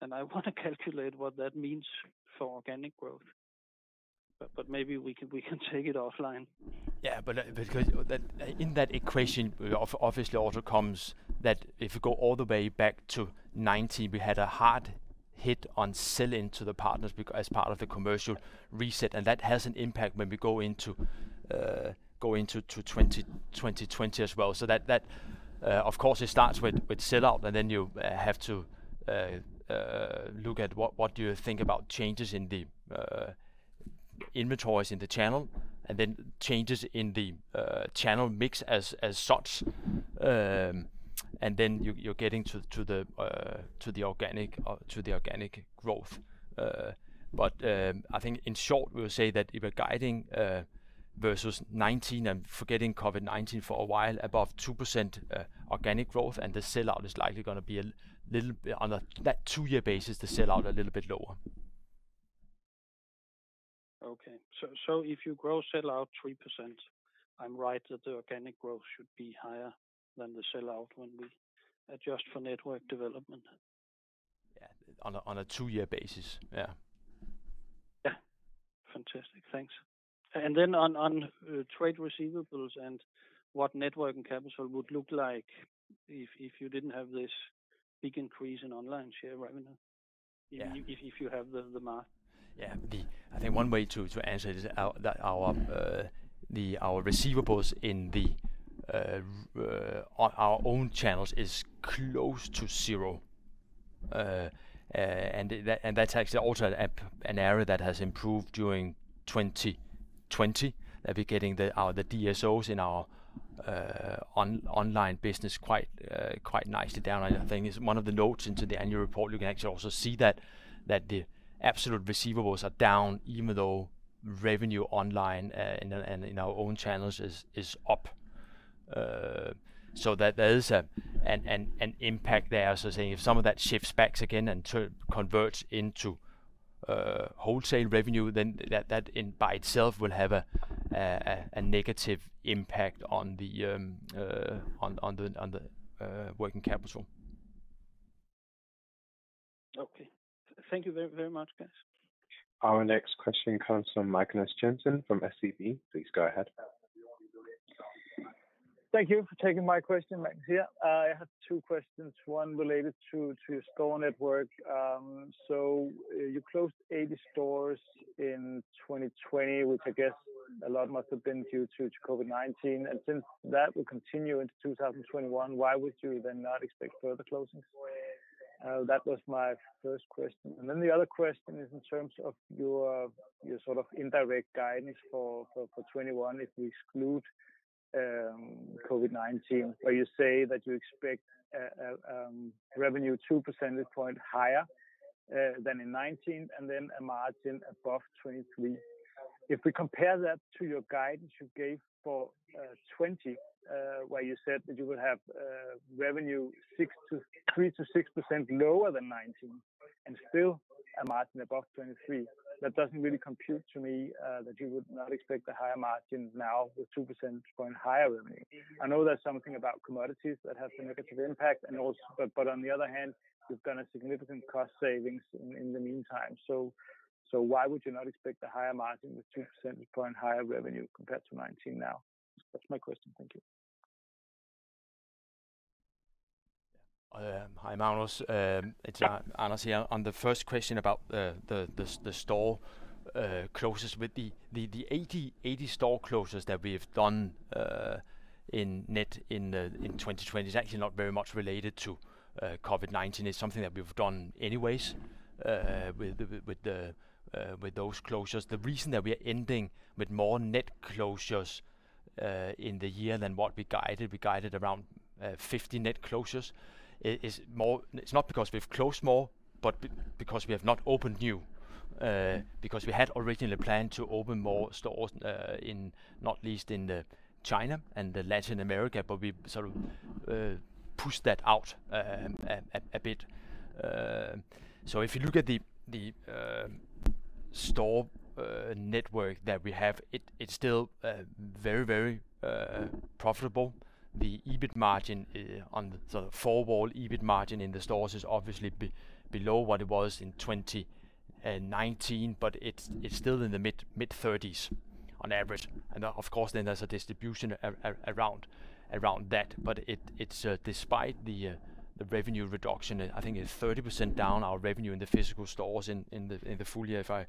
and I want to calculate what that means for organic growth. Maybe we can take it offline. Yeah. Because in that equation, obviously also comes that if you go all the way back to 2019, we had a hard hit on sell-in to the partners as part of the commercial reset, and that has an impact when we go into 2020 as well. That, of course, it starts with sell-out, then you have to look at what do you think about changes in the inventories in the channel, then changes in the channel mix as such. Then you're getting to the organic growth. I think in short, we'll say that if we're guiding versus 2019, I'm forgetting COVID-19 for a while, above 2% organic growth, and the sell-out is likely going to be a little bit, on that two-year basis, the sell-out a little bit lower. Okay. If you grow sell-out 3%, I'm right that the organic growth should be higher than the sell-out when we adjust for network development? Yeah. On a two-year basis. Yeah. Yeah. Fantastic. Thanks. Then on trade receivables and what network and capital would look like if you didn't have this big increase in online share revenue. Yeah. If you have the math. Yeah. I think one way to answer is that our receivables in our own channels is close to zero. That's actually also an area that has improved during 2020, that we're getting the days sales outstanding in our online business quite nicely down. I think it's one of the notes into the annual report. You can actually also see that the absolute receivables are down, even though revenue online and in our own channels is up. There is an impact there. Saying if some of that shifts back again and converts into wholesale revenue, then that by itself will have a negative impact on the working capital. Okay. Thank you very much, guys. Our next question comes from Magnus Jensen from SEB. Please go ahead. Thank you for taking my question. You closed 80 stores in 2020, which I guess a lot must have been due to COVID-19. Since that will continue into 2021, why would you then not expect further closings? That was my first question. The other question is in terms of your indirect guidance for 2021, if we exclude COVID-19, where you say that you expect revenue 2 percentage points higher than in 2019, and then a margin above 2023. If we compare that to your guidance you gave for 2020, where you said that you would have revenue 3%-6% lower than 2019, and still a margin above 2023. That doesn't really compute to me that you would not expect a higher margin now with 2 percentage points higher revenue. I know there's something about commodities that has a negative impact, but on the other hand, you've done a significant cost savings in the meantime. Why would you not expect a higher margin with 2 percentage points higher revenue compared to 2019 now? That's my question. Hi, Magnus. It's Anders here. The first question about the store closures. The 80 store closures that we have done in net in 2020 is actually not very much related to COVID-19. It's something that we've done anyways with those closures. The reason that we are ending with more net closures in the year than what we guided, we guided around 50 net closures, it's not because we've closed more, but because we have not opened new. We had originally planned to open more stores, not least in China and Latin America, but we sort of pushed that out a bit. If you look at the store network that we have, it's still very profitable. The EBIT margin on the full year, EBIT margin in the stores is obviously below what it was in 2019, but it's still in the mid-30s on average. Of course, there's a distribution around that. It's despite the revenue reduction, I think it's 30% down our revenue in the physical stores in the full year, if I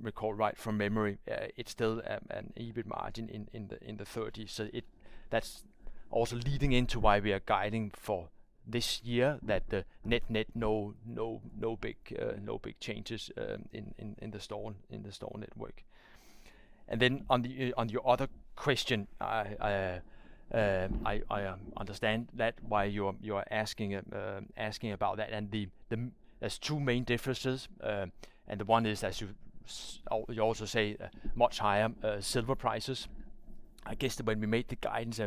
recall right from memory. It's still an EBIT margin in the 30%. That's also leading into why we are guiding for this year that net-net, no big changes in the store network. On your other question, I understand why you're asking about that. There's two main differences. One is, as you also say, much higher silver prices. I guess when we made the guidance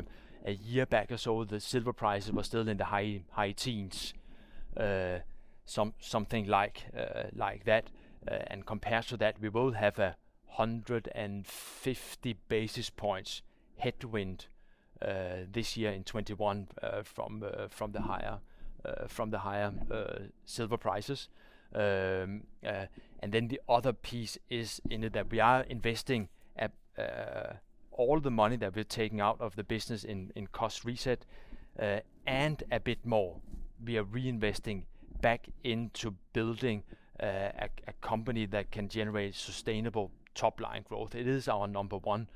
a year back or so, the silver prices were still in the high teens, something like that. Compared to that, we will have 150 basis points headwind this year in 2021 from the higher silver prices. The other piece is in that we are investing all the money that we're taking out of the business in cost reset, and a bit more. We are reinvesting back into building a company that can generate sustainable top-line growth. It is our number one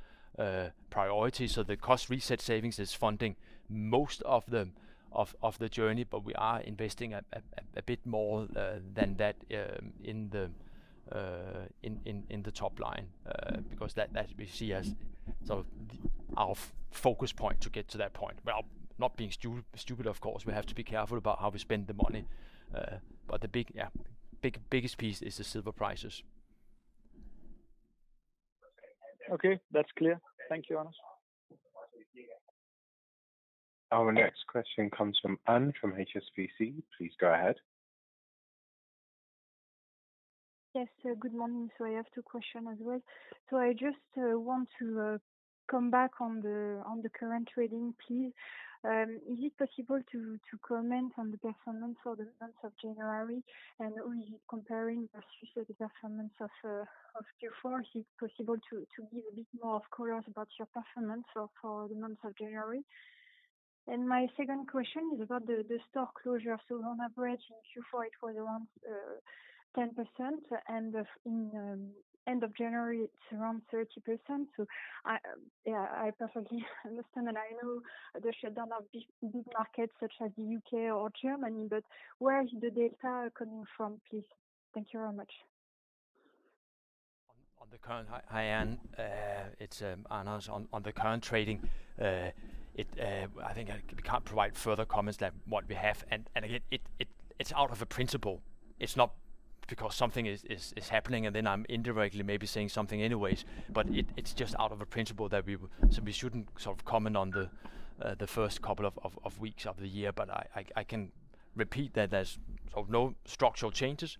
priority. The cost reset savings is funding most of the journey, but we are investing a bit more than that in the top line, because that we see as our focus point to get to that point. Well, not being stupid, of course. We have to be careful about how we spend the money. The biggest piece is the silver prices. Okay. That's clear. Thank you, Anders. Our next question comes from Anne-Laure Bismuth from HSBC. Please go ahead. Yes, good morning. I have two questions as well. I just want to come back on the current trading, please. Is it possible to comment on the performance for the month of January? Only comparing versus the performance of Q4, is it possible to give a bit more color about your performance for the month of January? My second question is about the store closures. On average in Q4, it was around 10%, and end of January, it's around 30%. I perfectly understand, and I know the shutdown of big markets such as the U.K. or Germany, but where is the data coming from, please? Thank you very much. Hi, Anne. It's Anders. On the current trading, I think we can't provide further comments than what we have. Again, it's out of a principle. It's not because something is happening, and then I'm indirectly maybe saying something anyways, but it's just out of a principle that we shouldn't comment on the first couple of weeks of the year. I can repeat that there's no structural changes,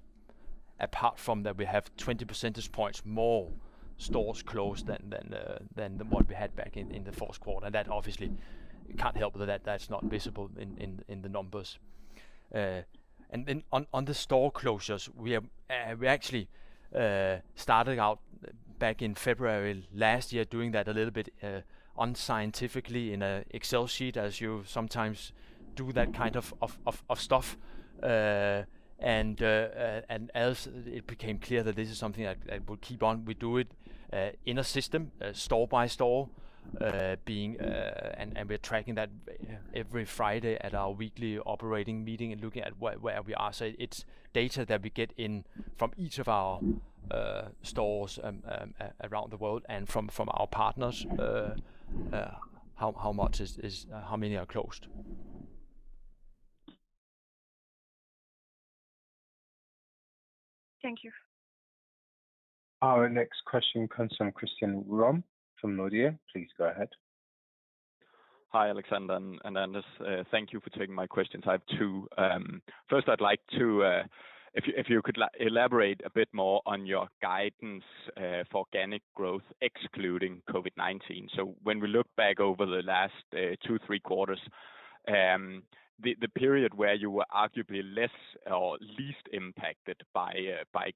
apart from that we have 20 percentage points more stores closed than what we had back in the fourth quarter. That obviously can't help with that. That's not visible in the numbers. Then on the store closures, we actually started out back in February last year doing that a little bit unscientifically in an Excel sheet, as you sometimes do that kind of stuff. As it became clear that this is something that will keep on, we do it in a system, store by store, and we're tracking that every Friday at our weekly operating meeting and looking at where we are. It's data that we get in from each of our stores around the world and from our partners, how many are closed. Thank you. Our next question comes from Christian Rom from DNB Asset Management. Please go ahead. Hi, Alexander and Anders. Thank you for taking my questions. I have two. First, if you could elaborate a bit more on your guidance for organic growth excluding COVID-19. When we look back over the last two, three quarters, the period where you were arguably less or least impacted by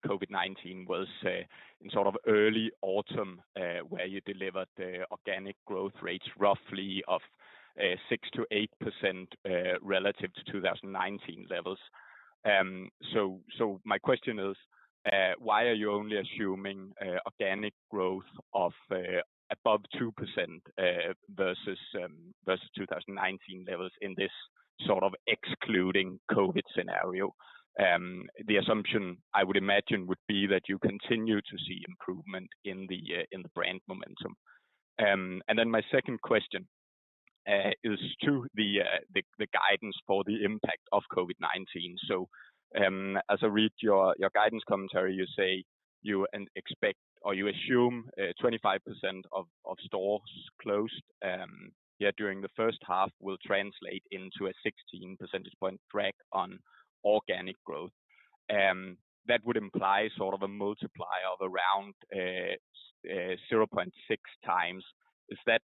COVID-19 was in early autumn, where you delivered the organic growth rates roughly of 6%-8% relative to 2019 levels. My question is, why are you only assuming organic growth of above 2% versus 2019 levels in this excluding COVID scenario? The assumption I would imagine would be that you continue to see improvement in the brand momentum. My second question is to the guidance for the impact of COVID-19. As I read your guidance commentary, you say you expect or you assume 25% of stores closed during the first half will translate into a 16 percentage points drag on organic growth. That would imply a multiplier of around 0.6x. Is that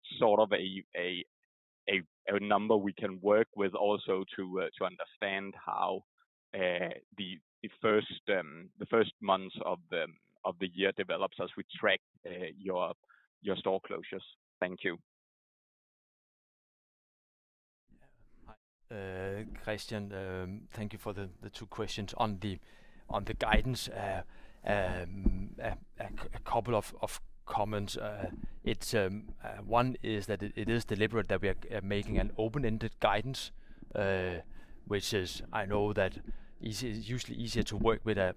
a number we can work with also to understand how the first months of the year develop as we track your store closures? Thank you. Hi, Christian. Thank you for the two questions. On the guidance, a couple of comments. One is that it is deliberate that we are making an open-ended guidance, which is, I know that it's usually easier to work with a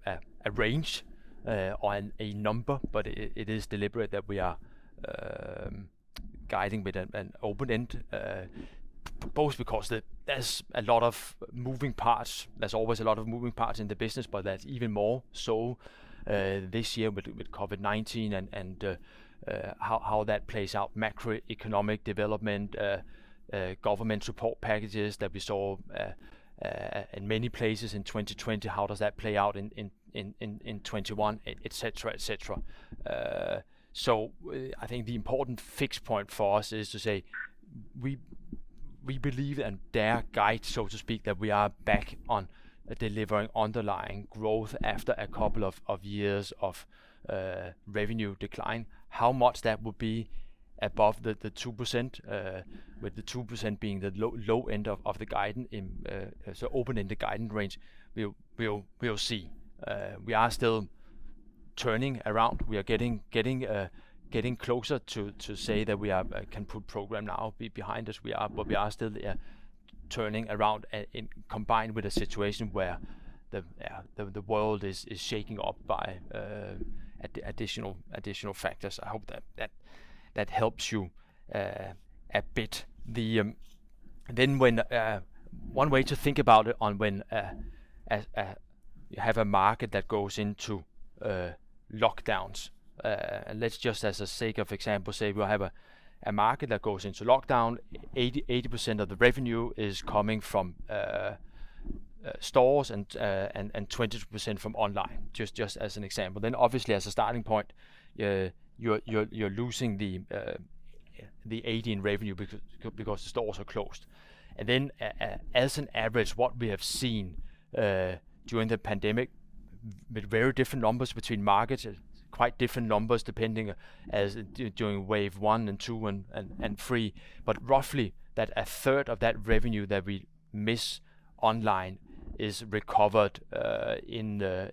range or a number, but it is deliberate that we are guiding with an open-end both because there's a lot of moving parts, there's always a lot of moving parts in the business, but that's even more so this year with COVID-19 and how that plays out, macroeconomic development, government support packages that we saw in many places in 2020, how does that play out in 2021, et cetera. I think the important fix point for us is to say we believe and dare guide, so to speak, that we are back on delivering underlying growth after a couple of years of revenue decline. How much that will be above the 2%, with the 2% being the low end of the open-ended guidance range, we'll see. We are still turning around. We are getting closer to say that we can put Programme NOW behind us. We are still turning around and combined with a situation where the world is shaking up by additional factors. I hope that helps you a bit. One way to think about it on when you have a market that goes into lockdowns. Let's just as a sake of example say we have a market that goes into lockdown, 80% of the revenue is coming from stores and 20% from online, just as an example. Obviously as a starting point, you're losing the 80 in revenue because the stores are closed. Then as an average, what we have seen during the pandemic with very different numbers between markets, quite different numbers depending as during wave one and two and three, but roughly that 1/3 of that revenue that we miss online is recovered in the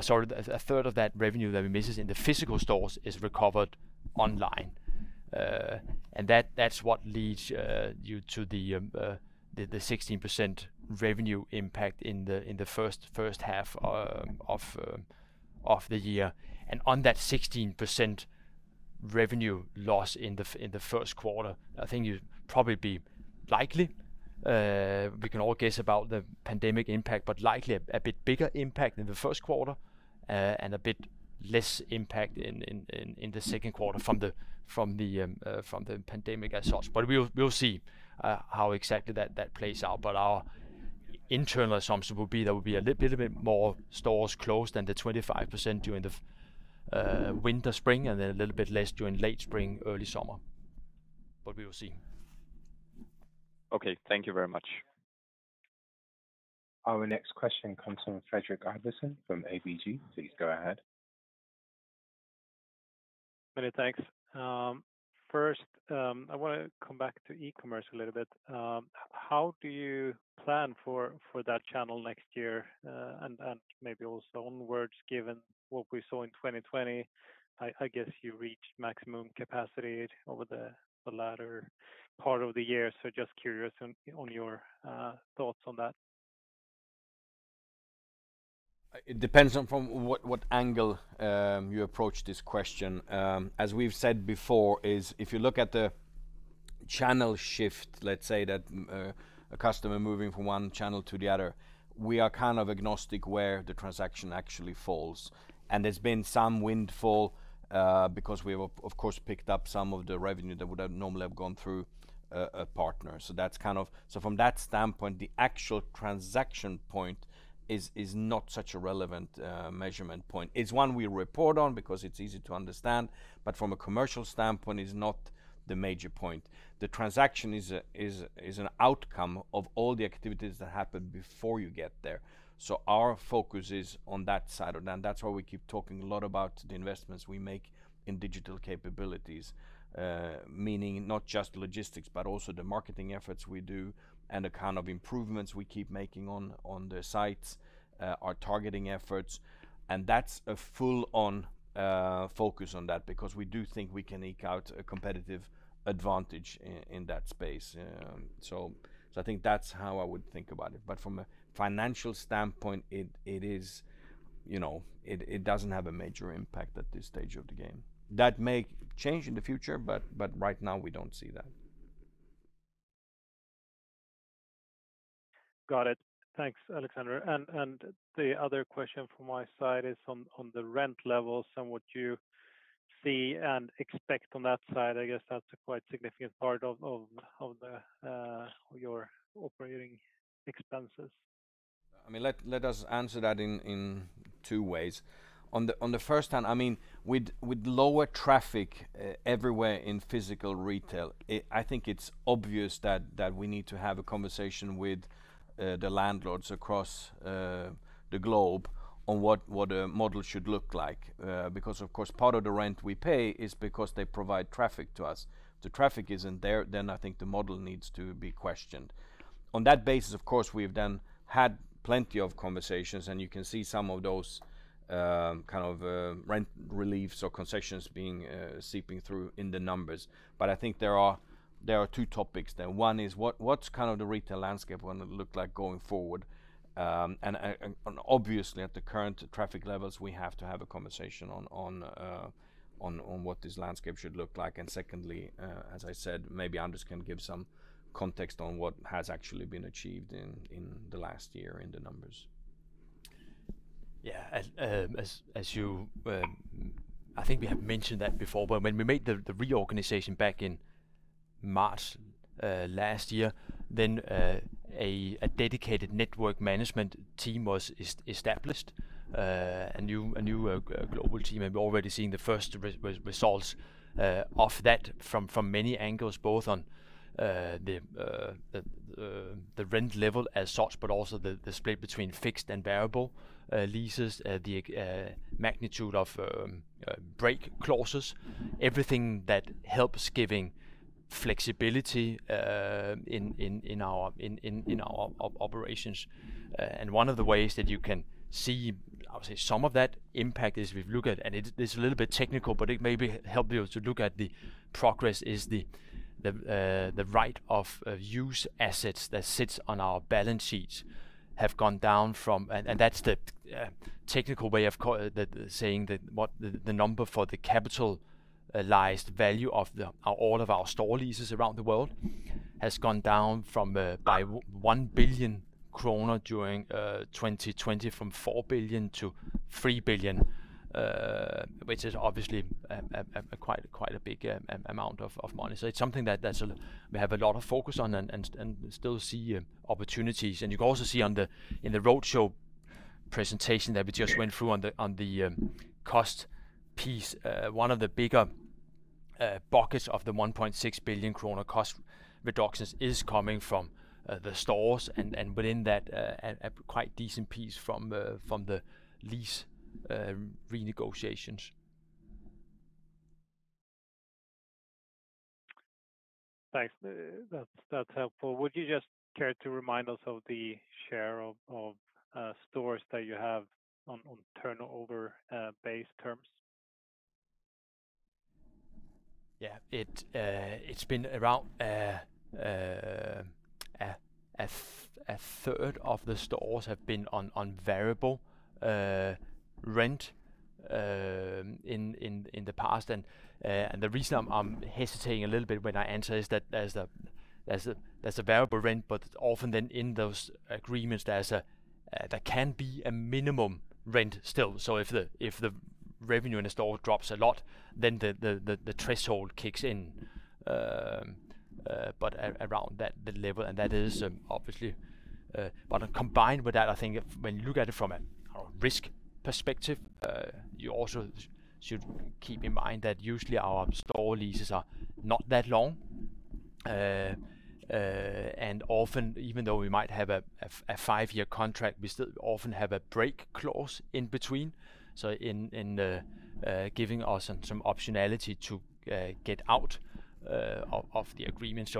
Sorry, 1/3 of that revenue that we misses in the physical stores is recovered online. That's what leads you to the 16% revenue impact in the first half of the year. On that 16% revenue loss in the first quarter, I think you'd probably be likely, we can all guess about the pandemic impact, but likely a bit bigger impact in the first quarter, and a bit less impact in the second quarter from the pandemic as such. We'll see how exactly that plays out. Our internal assumption will be there will be a little bit more stores closed than the 25% during the winter, spring, and then a little bit less during late spring, early summer. We will see. Okay. Thank you very much. Our next question comes from Fredrik Ivarsson from ABG. Please go ahead. Many thanks. First, I want to come back to e-commerce a little bit. How do you plan for that channel next year? Maybe also onwards, given what we saw in 2020, I guess you reached maximum capacity over the latter part of the year. Just curious on your thoughts on that. It depends on from what angle you approach this question. As we've said before, is if you look at the channel shift, let's say that a customer moving from one channel to the other, we are kind of agnostic where the transaction actually falls. There's been some windfall, because we've of course, picked up some of the revenue that would have normally have gone through a partner. From that standpoint, the actual transaction point is not such a relevant measurement point. It's one we report on because it's easy to understand, but from a commercial standpoint, it's not the major point. The transaction is an outcome of all the activities that happen before you get there. Our focus is on that side of that. That's why we keep talking a lot about the investments we make in digital capabilities. Meaning not just logistics, but also the marketing efforts we do and the kind of improvements we keep making on the sites, our targeting efforts, and that's a full-on focus on that because we do think we can eke out a competitive advantage in that space. I think that's how I would think about it. From a financial standpoint, it doesn't have a major impact at this stage of the game. That may change in the future, but right now we don't see that. Got it. Thanks, Anders. The other question from my side is on the rent levels and what you see and expect on that side. I guess that's a quite significant part of your operating expenses. Let us answer that in two ways. On the first hand, with lower traffic everywhere in physical retail, I think it's obvious that we need to have a conversation with the landlords across the globe on what a model should look like. Of course, part of the rent we pay is because they provide traffic to us. If the traffic isn't there, I think the model needs to be questioned. On that basis, of course, we've had plenty of conversations, you can see some of those rent reliefs or concessions seeping through in the numbers. I think there are two topics there. One is what's the retail landscape going to look like going forward? Obviously at the current traffic levels, we have to have a conversation on what this landscape should look like. Secondly, as I said, maybe Anders can give some context on what has actually been achieved in the last year in the numbers. Yeah. I think we have mentioned that before, but when we made the reorganization back in March last year, then a dedicated network management team was established, a new global team, and we're already seeing the first results of that from many angles, both on the rent level as such, but also the split between fixed and variable leases, the magnitude of break clauses, everything that helps giving flexibility in our operations. One of the ways that you can see, I would say, some of that impact is if you look at, and it is a little bit technical, but it may help you to look at the progress is the right-of-use assets that sits on our balance sheets have gone down from, and that's the technical way of saying that what the number for the capitalized value of all of our store leases around the world has gone down by 1 billion kroner during 2020 from 4 billion to 3 billion, which is obviously quite a big amount of money. It's something that we have a lot of focus on and still see opportunities. You can also see in the roadshow presentation that we just went through on the cost piece, one of the bigger buckets of the 1.6 billion kroner cost reductions is coming from the stores and within that, a quite decent piece from the lease renegotiations. Thanks. That's helpful. Would you just care to remind us of the share of stores that you have on turnover base terms? Yeah. It's been around 1/3 of the stores have been on variable rent in the past. The reason I'm hesitating a little bit when I answer is that there's a variable rent, often then in those agreements, there can be a minimum rent still. If the revenue in a store drops a lot, then the threshold kicks in. Around that level, that is obviously. Combined with that, I think if, when you look at it from a risk perspective, you also should keep in mind that usually our store leases are not that long. Often, even though we might have a five-year contract, we still often have a break clause in between, so giving us some optionality to get out of the agreement.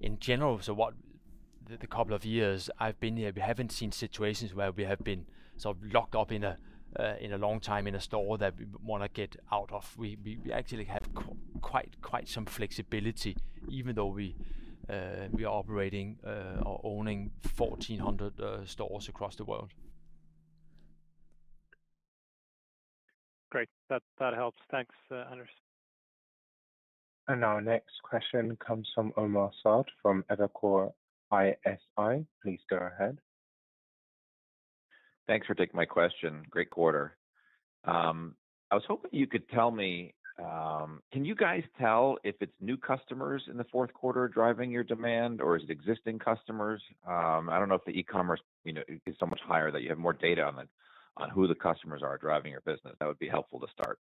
In general, the couple of years I've been here, we haven't seen situations where we have been sort of locked up in a long time in a store that we want to get out of. We actually have quite some flexibility even though we are operating or owning 1,400 stores across the world. Great. That helps. Thanks, Anders. Our next question comes from Omar Saad from Evercore ISI. Please go ahead. Thanks for taking my question. Great quarter. I was hoping you could tell me, can you guys tell if it's new customers in the fourth quarter driving your demand, or is it existing customers? I don't know if the e-commerce is so much higher that you have more data on who the customers are driving your business. That would be helpful to start.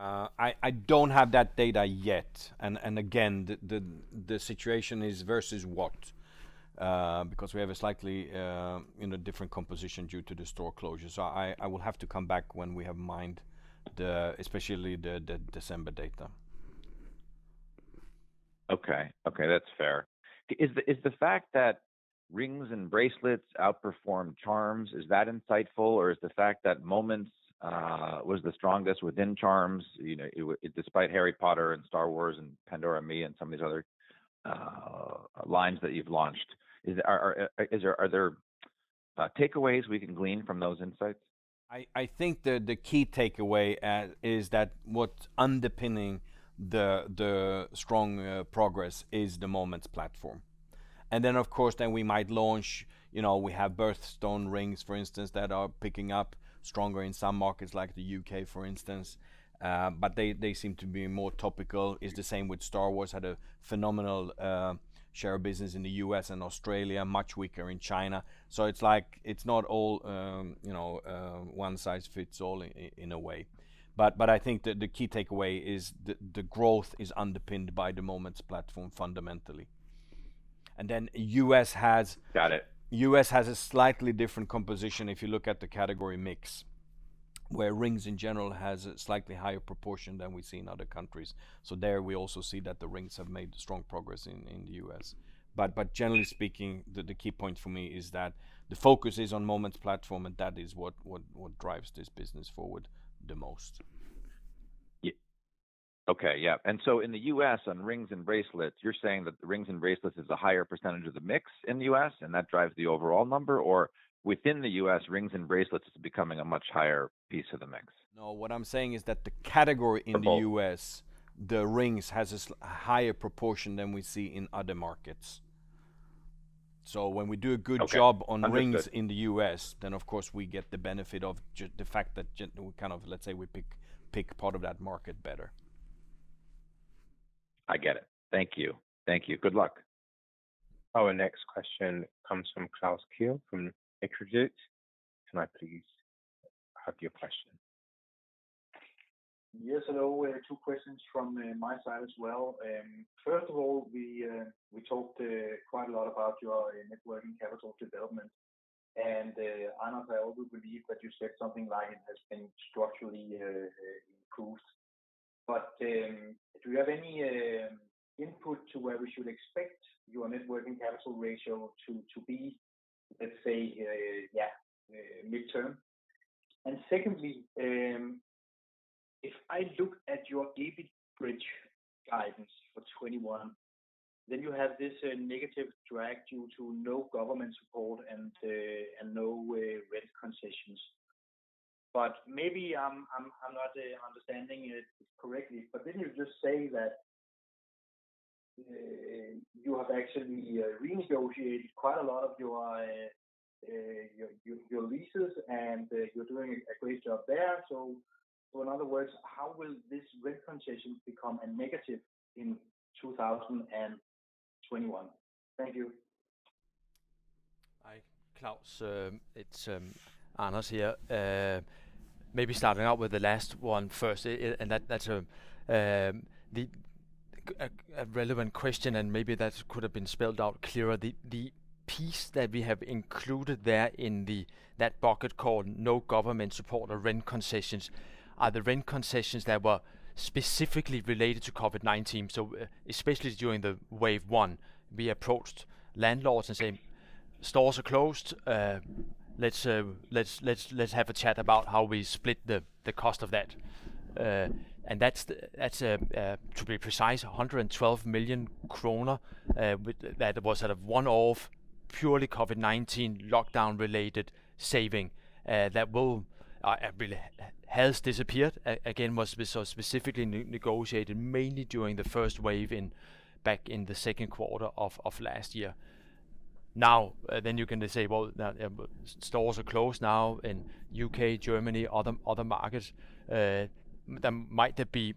I don't have that data yet. Again, the situation is versus what? We have a slightly different composition due to the store closure. I will have to come back when we have mined especially the December data. Okay. That's fair. Is the fact that rings and bracelets outperformed charms, is that insightful, or is the fact that Moments was the strongest within charms, despite Harry Potter and Star Wars and Pandora ME and some of these other lines that you've launched? Are there takeaways we can glean from those insights? I think the key takeaway is that what's underpinning the strong progress is the Moments platform. Then, of course, then we might launch, we have birthstone rings, for instance, that are picking up stronger in some markets like the U.K., for instance. They seem to be more topical. It's the same with Star Wars, had a phenomenal share of business in the U.S. and Australia, much weaker in China. It's not all one size fits all in a way. I think the key takeaway is the growth is underpinned by the Moments platform fundamentally. Got it. Then U.S. has a slightly different composition if you look at the category mix, where rings in general has a slightly higher proportion than we see in other countries. There we also see that the rings have made strong progress in the U.S. Generally speaking, the key point for me is that the focus is on Moments platform, and that is what drives this business forward the most. Okay. Yeah. In the U.S. on rings and bracelets, you're saying that the rings and bracelets is a higher percent of the mix in the U.S., and that drives the overall number? Within the U.S., rings and bracelets is becoming a much higher piece of the mix? No, what I'm saying is that the category in the U.S., the rings has a higher proportion than we see in other markets. When we do a good job on rings in the U.S., then of course, we get the benefit of the fact that, let's say, we pick part of that market better. I get it. Thank you. Good luck. Our next question comes from Klaus Kehl from Nykredit Markets. Can I please have your question? Yes. Hello. Two questions from my side as well. First of all, we talked quite a lot about your net working capital development, and, Anders, I also believe that you said something like it has been structurally improved. Do you have any input to where we should expect your net working capital ratio to be, let's say, midterm? Secondly, if I look at your EBIT bridge guidance for 2021, then you have this negative drag due to no government support and no rent concessions. Maybe I'm not understanding it correctly, but didn't you just say that you have actually renegotiated quite a lot of your leases and you're doing a great job there. In other words, how will these rent concessions become a negative in 2021? Thank you. Hi, Klaus, it's Anders here. Maybe starting out with the last one first, and that's a relevant question, and maybe that could've been spelled out clearer. The piece that we have included there in that bucket called no government support or rent concessions, are the rent concessions that were specifically related to COVID-19. Especially during the wave one, we approached landlords and said, "Stores are closed. Let's have a chat about how we split the cost of that." That's, to be precise, 112 million kroner, that was out of one-off, purely COVID-19 lockdown related saving. That has disappeared. Again, was specifically negotiated mainly during the first wave back in the second quarter of last year. Now, you can say, well, stores are closed now in U.K., Germany, other markets. Might there be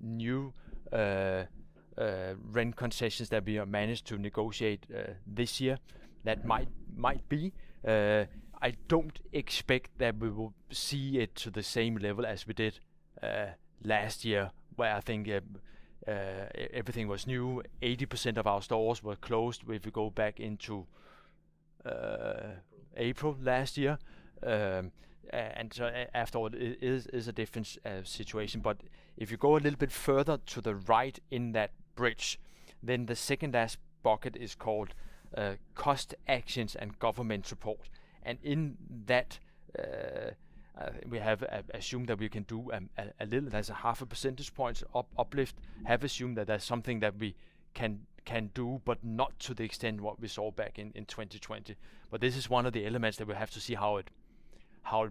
new rent concessions that we have managed to negotiate this year? That might be. I don't expect that we will see it to the same level as we did last year, where I think everything was new, 80% of our stores were closed, if you go back into April last year. After all, it is a different situation. If you go a little bit further to the right in that bridge, then the second last bucket is called cost actions and government support. In that, we have assumed that we can do a little, that's a half a percentage points uplift. We have assumed that that's something that we can do, but not to the extent what we saw back in 2020. This is one of the elements that we have to see how it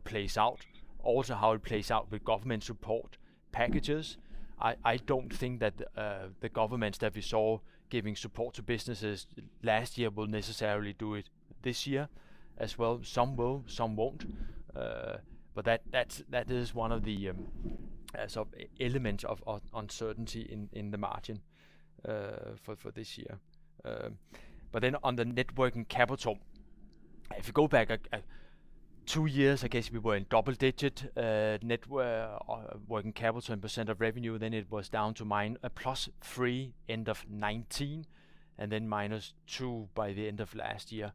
plays out. Also, how it plays out with government support packages. I don't think that the governments that we saw giving support to businesses last year will necessarily do it this year as well. Some will, some won't. That is one of the elements of uncertainty in the margin for this year. On the net working capital, if you go back two years, I guess we were in double-digit net working capital and percent of revenue, then it was down to a +3% end of 2019, and then -2% by the end of last year.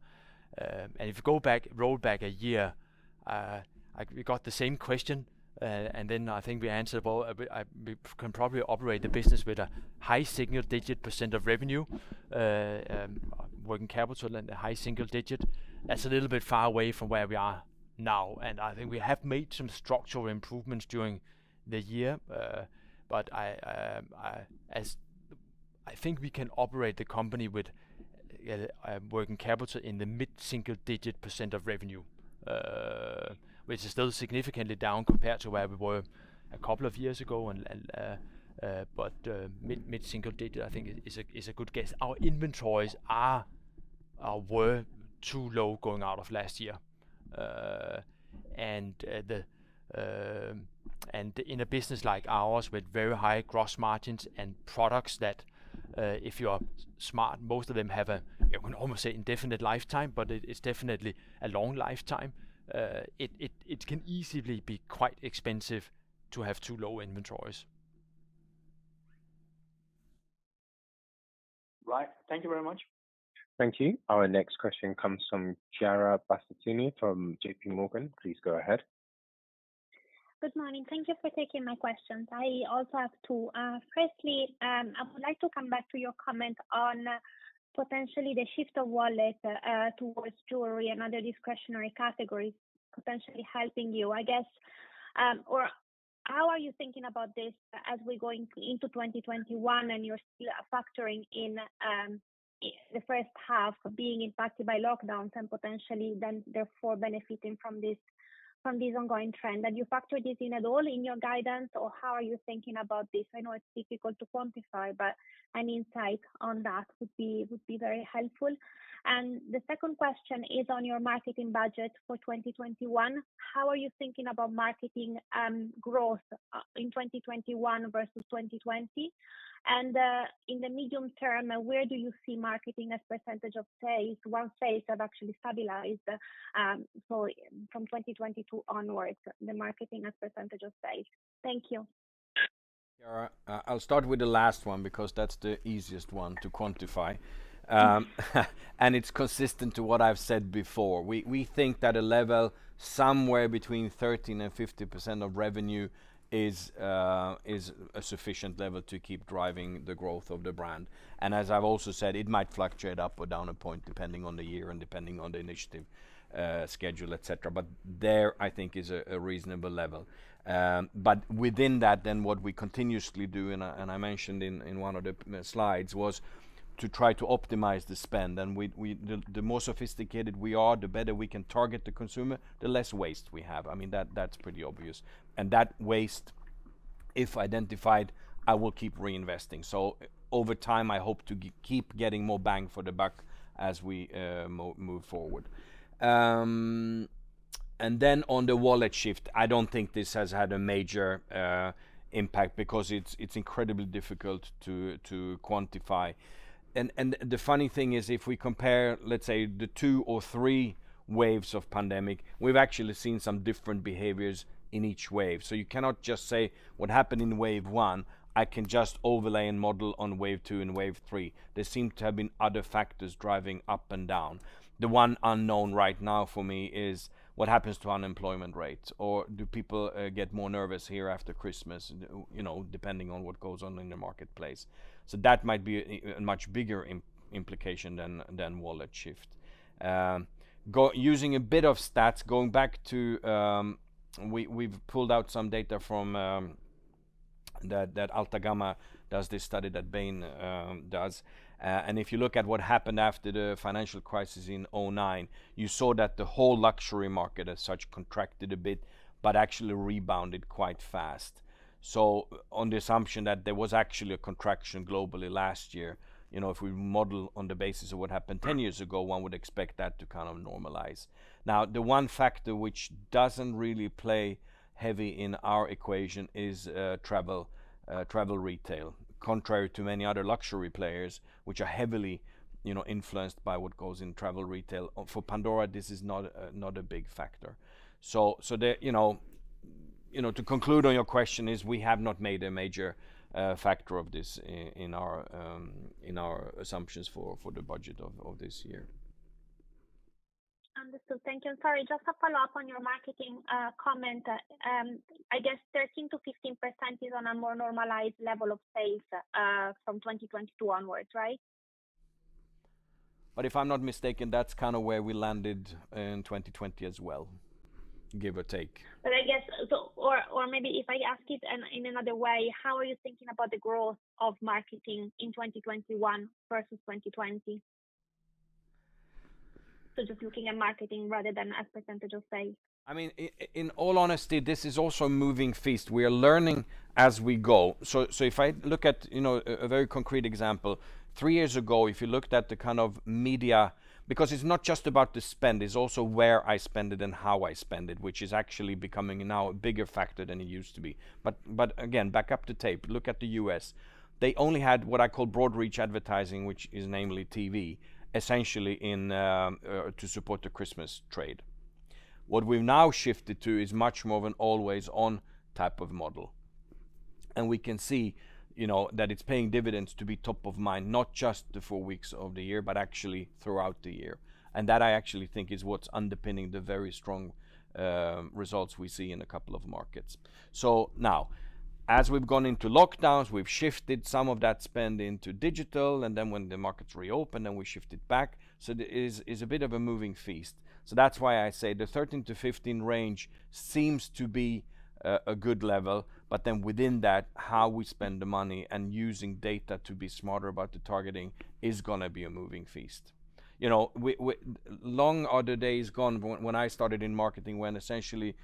If you roll back one year, we got the same question, and then I think we answered, well, we can probably operate the business with a high single-digit percent of revenue, working capital in the high single-digit. That's a little bit far away from where we are now, and I think we have made some structural improvements during the year. I think we can operate the company with working capital in the mid-single digit % of revenue, which is still significantly down compared to where we were a couple of years ago. Mid-single digit, I think, is a good guess. Our inventories were too low going out of last year. In a business like ours, with very high gross margins and products that, if you are smart, most of them have, you can almost say indefinite lifetime, but it's definitely a long lifetime. It can easily be quite expensive to have too low inventories. Right. Thank you very much. Thank you. Our next question comes from Chiara Battistini from JPMorgan. Please go ahead. Good morning. Thank you for taking my questions. I also have two. Firstly, I would like to come back to your comment on potentially the shift of wallet towards jewelry and other discretionary categories potentially helping you, I guess. How are you thinking about this as we're going into 2021, and you're still factoring in the first half being impacted by lockdowns and potentially then therefore benefiting from this ongoing trend? Have you factored this in at all in your guidance, or how are you thinking about this? I know it's difficult to quantify, an insight on that would be very helpful. The second question is on your marketing budget for 2021. How are you thinking about marketing growth in 2021 versus 2020? In the medium term, where do you see marketing as percentage of sales once sales have actually stabilized from 2022 onwards, the marketing as percentage of sales? Thank you. Chiara, I'll start with the last one because that's the easiest one to quantify. It's consistent to what I've said before. We think that a level somewhere between 13% and 15% of revenue is a sufficient level to keep driving the growth of the brand. As I've also said, it might fluctuate up or down a point depending on the year and depending on the initiative schedule, et cetera, but there I think is a reasonable level. Within that then what we continuously do, and I mentioned in one of the slides, was to try to optimize the spend, and the more sophisticated we are, the better we can target the consumer, the less waste we have. That's pretty obvious. That waste, if identified, I will keep reinvesting. Over time, I hope to keep getting more bang for the buck as we move forward. On the wallet shift, I don't think this has had a major impact because it's incredibly difficult to quantify. The funny thing is, if we compare, let's say, the two or three waves of pandemic, we've actually seen some different behaviors in each wave. You cannot just say what happened in wave 1, I can just overlay and model on wave 2 and wave 3. There seem to have been other factors driving up and down. The one unknown right now for me is what happens to unemployment rates, or do people get more nervous here after Christmas, depending on what goes on in the marketplace. That might be a much bigger implication than wallet shift. Using a bit of stats, we've pulled out some data from that Altagamma does this study that Bain does, and if you look at what happened after the financial crisis in 2009, you saw that the whole luxury market as such contracted a bit, but actually rebounded quite fast. On the assumption that there was actually a contraction globally last year, if we model on the basis of what happened 10 years ago, one would expect that to kind of normalize. Now, the one factor which doesn't really play heavy in our equation is travel retail. Contrary to many other luxury players, which are heavily influenced by what goes in travel retail, for Pandora, this is not a big factor. To conclude on your question is we have not made a major factor of this in our assumptions for the budget of this year. Understood. Thank you. Sorry, just a follow-up on your marketing comment. I guess 13%-15% is on a more normalized level of sales from 2022 onwards, right? If I'm not mistaken, that's kind of where we landed in 2020 as well, give or take. I guess, or maybe if I ask it in another way, how are you thinking about the growth of marketing in 2021 versus 2020? Just looking at marketing rather than as percentage of sales. In all honesty, this is also a moving feast. We are learning as we go. If I look at a very concrete example, three years ago, if you looked at the kind of media, because it's not just about the spend, it's also where I spend it and how I spend it, which is actually becoming now a bigger factor than it used to be. Again, back up the tape. Look at the U.S. They only had what I call broad reach advertising, which is namely TV, essentially to support the Christmas trade. What we've now shifted to is much more of an always on type of model, and we can see that it's paying dividends to be top of mind, not just the four weeks of the year, but actually throughout the year. That I actually think is what's underpinning the very strong results we see in a couple of markets. Now as we've gone into lockdowns, we've shifted some of that spend into digital, and then when the markets reopen, then we shifted back. It is a bit of a moving feast. That's why I say the 13%-15% range seems to be a good level. Within that, how we spend the money and using data to be smarter about the targeting is going to be a moving feast. Long are the days gone when I started in marketing, when essentially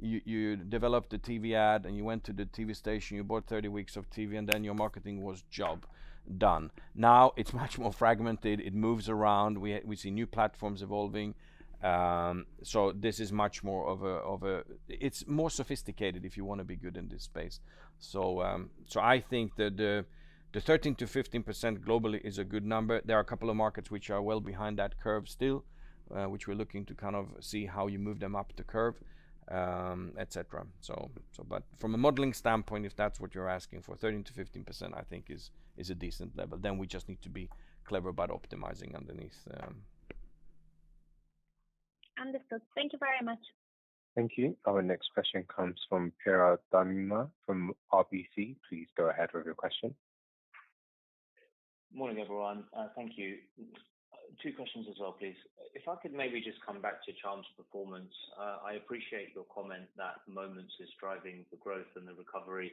you developed a TV ad and you went to the TV station, you bought 30 weeks of TV, and then your marketing was job done. Now it's much more fragmented. It moves around. We see new platforms evolving. It's more sophisticated if you want to be good in this space. I think that the 13%-15% globally is a good number. There are a couple of markets which are well behind that curve still, which we're looking to kind of see how you move them up the curve, et cetera. From a modeling standpoint, if that's what you're asking for, 13%-15% I think is a decent level. We just need to be clever about optimizing underneath. Understood. Thank you very much. Thank you. Our next question comes from Piral Dadhania from RBC. Please go ahead with your question. Morning, everyone. Thank you. Two questions as well, please. If I could maybe just come back to charms performance. I appreciate your comment that Moments is driving the growth and the recovery,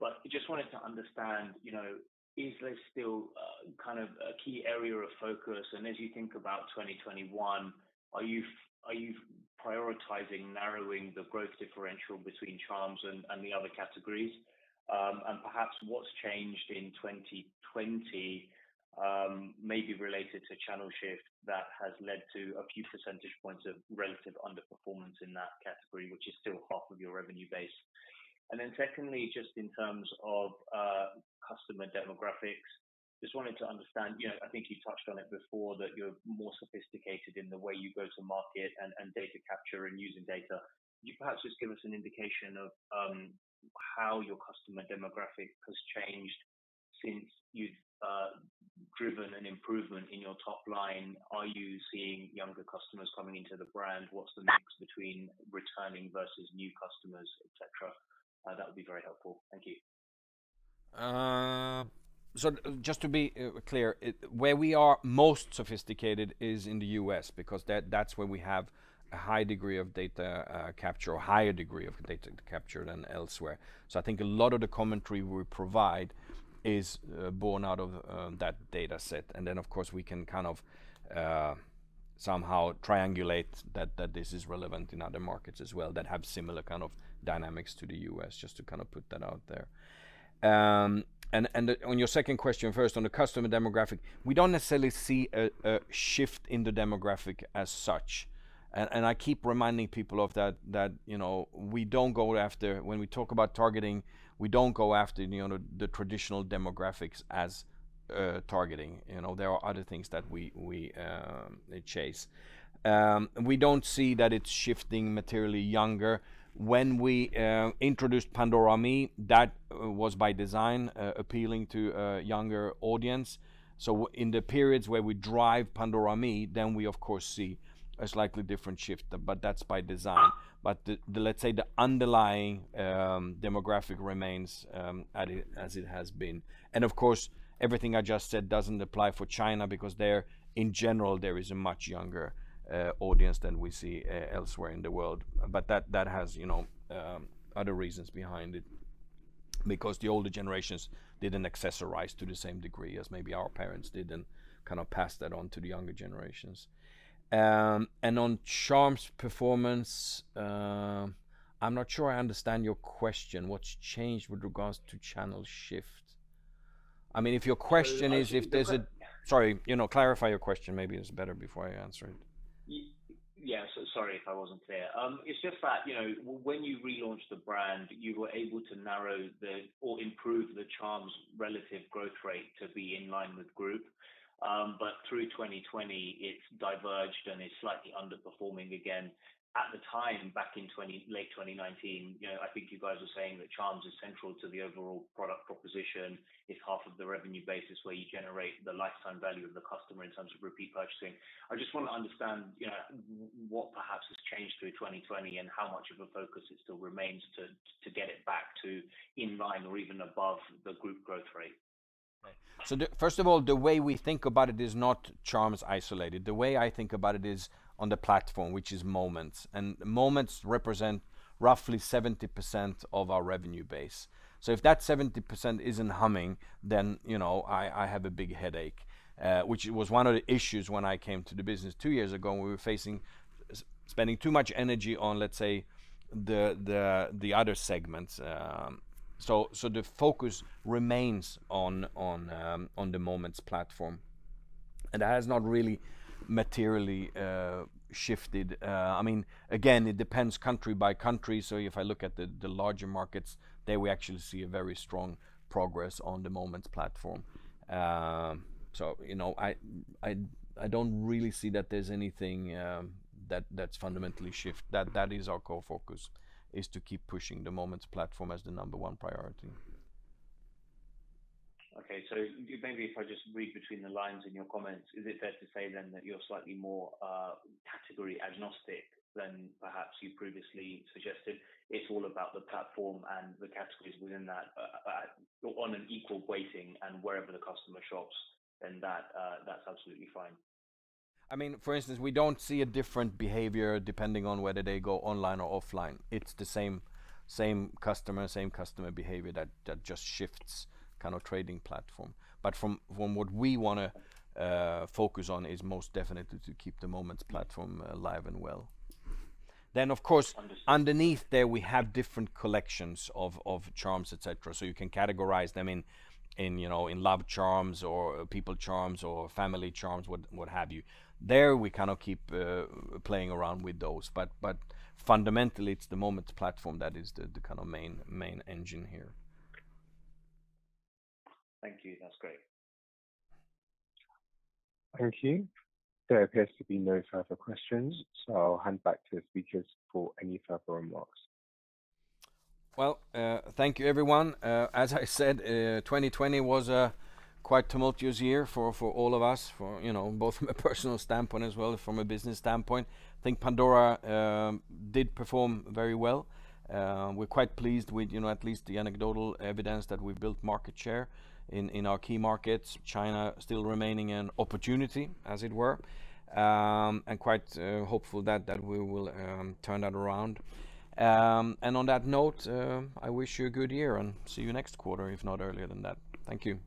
but just wanted to understand, is this still kind of a key area of focus? As you think about 2021, are you prioritizing narrowing the growth differential between charms and the other categories? Perhaps what's changed in 2020 maybe related to channel shift that has led to a few percentage points of relative underperformance in that category, which is still half of your revenue base. Secondly, just in terms of customer demographics, just wanted to understand, I think you touched on it before, that you're more sophisticated in the way you go to market and data capture and using data. Could you perhaps just give us an indication of how your customer demographic has changed since you've driven an improvement in your top line? Are you seeing younger customers coming into the brand? What's the mix between returning versus new customers, et cetera? That would be very helpful. Thank you. Just to be clear, where we are most sophisticated is in the U.S. because that's where we have a high degree of data capture, or higher degree of data capture than elsewhere. I think a lot of the commentary we provide is born out of that data set. Then, of course, we can kind of somehow triangulate that this is relevant in other markets as well that have similar kind of dynamics to the U.S., just to kind of put that out there. On your second question first, on the customer demographic, we don't necessarily see a shift in the demographic as such. I keep reminding people of that, when we talk about targeting, we don't go after the traditional demographics as targeting. There are other things that we chase. We don't see that it's shifting materially younger. When we introduced Pandora Me, that was by design, appealing to a younger audience. In the periods where we drive Pandora Me, then we of course see a slightly different shift, but that's by design. Let's say the underlying demographic remains as it has been. Of course, everything I just said doesn't apply for China because in general, there is a much younger audience than we see elsewhere in the world. That has other reasons behind it, because the older generations didn't accessorize to the same degree as maybe our parents did and kind of passed that on to the younger generations. On Charms performance, I'm not sure I understand your question. What's changed with regards to channel shift? Clarify your question maybe is better before I answer it. Yeah. Sorry if I wasn't clear. It's just that, when you relaunched the brand, you were able to narrow or improve the Charms relative growth rate to be in line with group. Through 2020, it's diverged and is slightly underperforming again. At the time, back in late 2019, I think you guys were saying that Charms is central to the overall product proposition. It's half of the revenue basis where you generate the lifetime value of the customer in terms of repeat purchasing. I just want to understand what perhaps has changed through 2020 and how much of a focus it still remains to get it back to in line or even above the group growth rate. First of all, the way we think about it is not charms isolated. The way I think about it is on the platform, which is Moments. Moments represent roughly 70% of our revenue base. If that 70% isn't humming, then I have a big headache, which was one of the issues when I came to the business two years ago, and we were facing spending too much energy on, let's say, the other segments. The focus remains on the Moments platform. That has not really materially shifted. Again, it depends country by country. If I look at the larger markets, there we actually see a very strong progress on the Moments platform. I don't really see that there's anything that's fundamentally shifted. That is our core focus, is to keep pushing the Moments platform as the number one priority. Okay. Maybe if I just read between the lines in your comments, is it fair to say then that you're slightly more category agnostic than perhaps you previously suggested? It's all about the platform and the categories within that on an equal weighting, wherever the customer shops, then that's absolutely fine. For instance, we don't see a different behavior depending on whether they go online or offline. It's the same customer, same customer behavior that just shifts kind of trading platform. From what we want to focus on is most definitely to keep the Moments platform alive and well. Of course, underneath there, we have different collections of Charms, et cetera. You can categorize them in love charms or people charms or family charms, what have you. There, we kind of keep playing around with those. Fundamentally, it's the Moments platform that is the kind of main engine here. Thank you. That's great. Thank you. There appears to be no further questions. I'll hand back to the speakers for any further remarks. Well, thank you everyone. As I said, 2020 was a quite tumultuous year for all of us, both from a personal standpoint as well as from a business standpoint. I think Pandora did perform very well. We're quite pleased with at least the anecdotal evidence that we've built market share in our key markets. China still remaining an opportunity as it were, and quite hopeful that we will turn that around. On that note, I wish you a good year and see you next quarter, if not earlier than that. Thank you.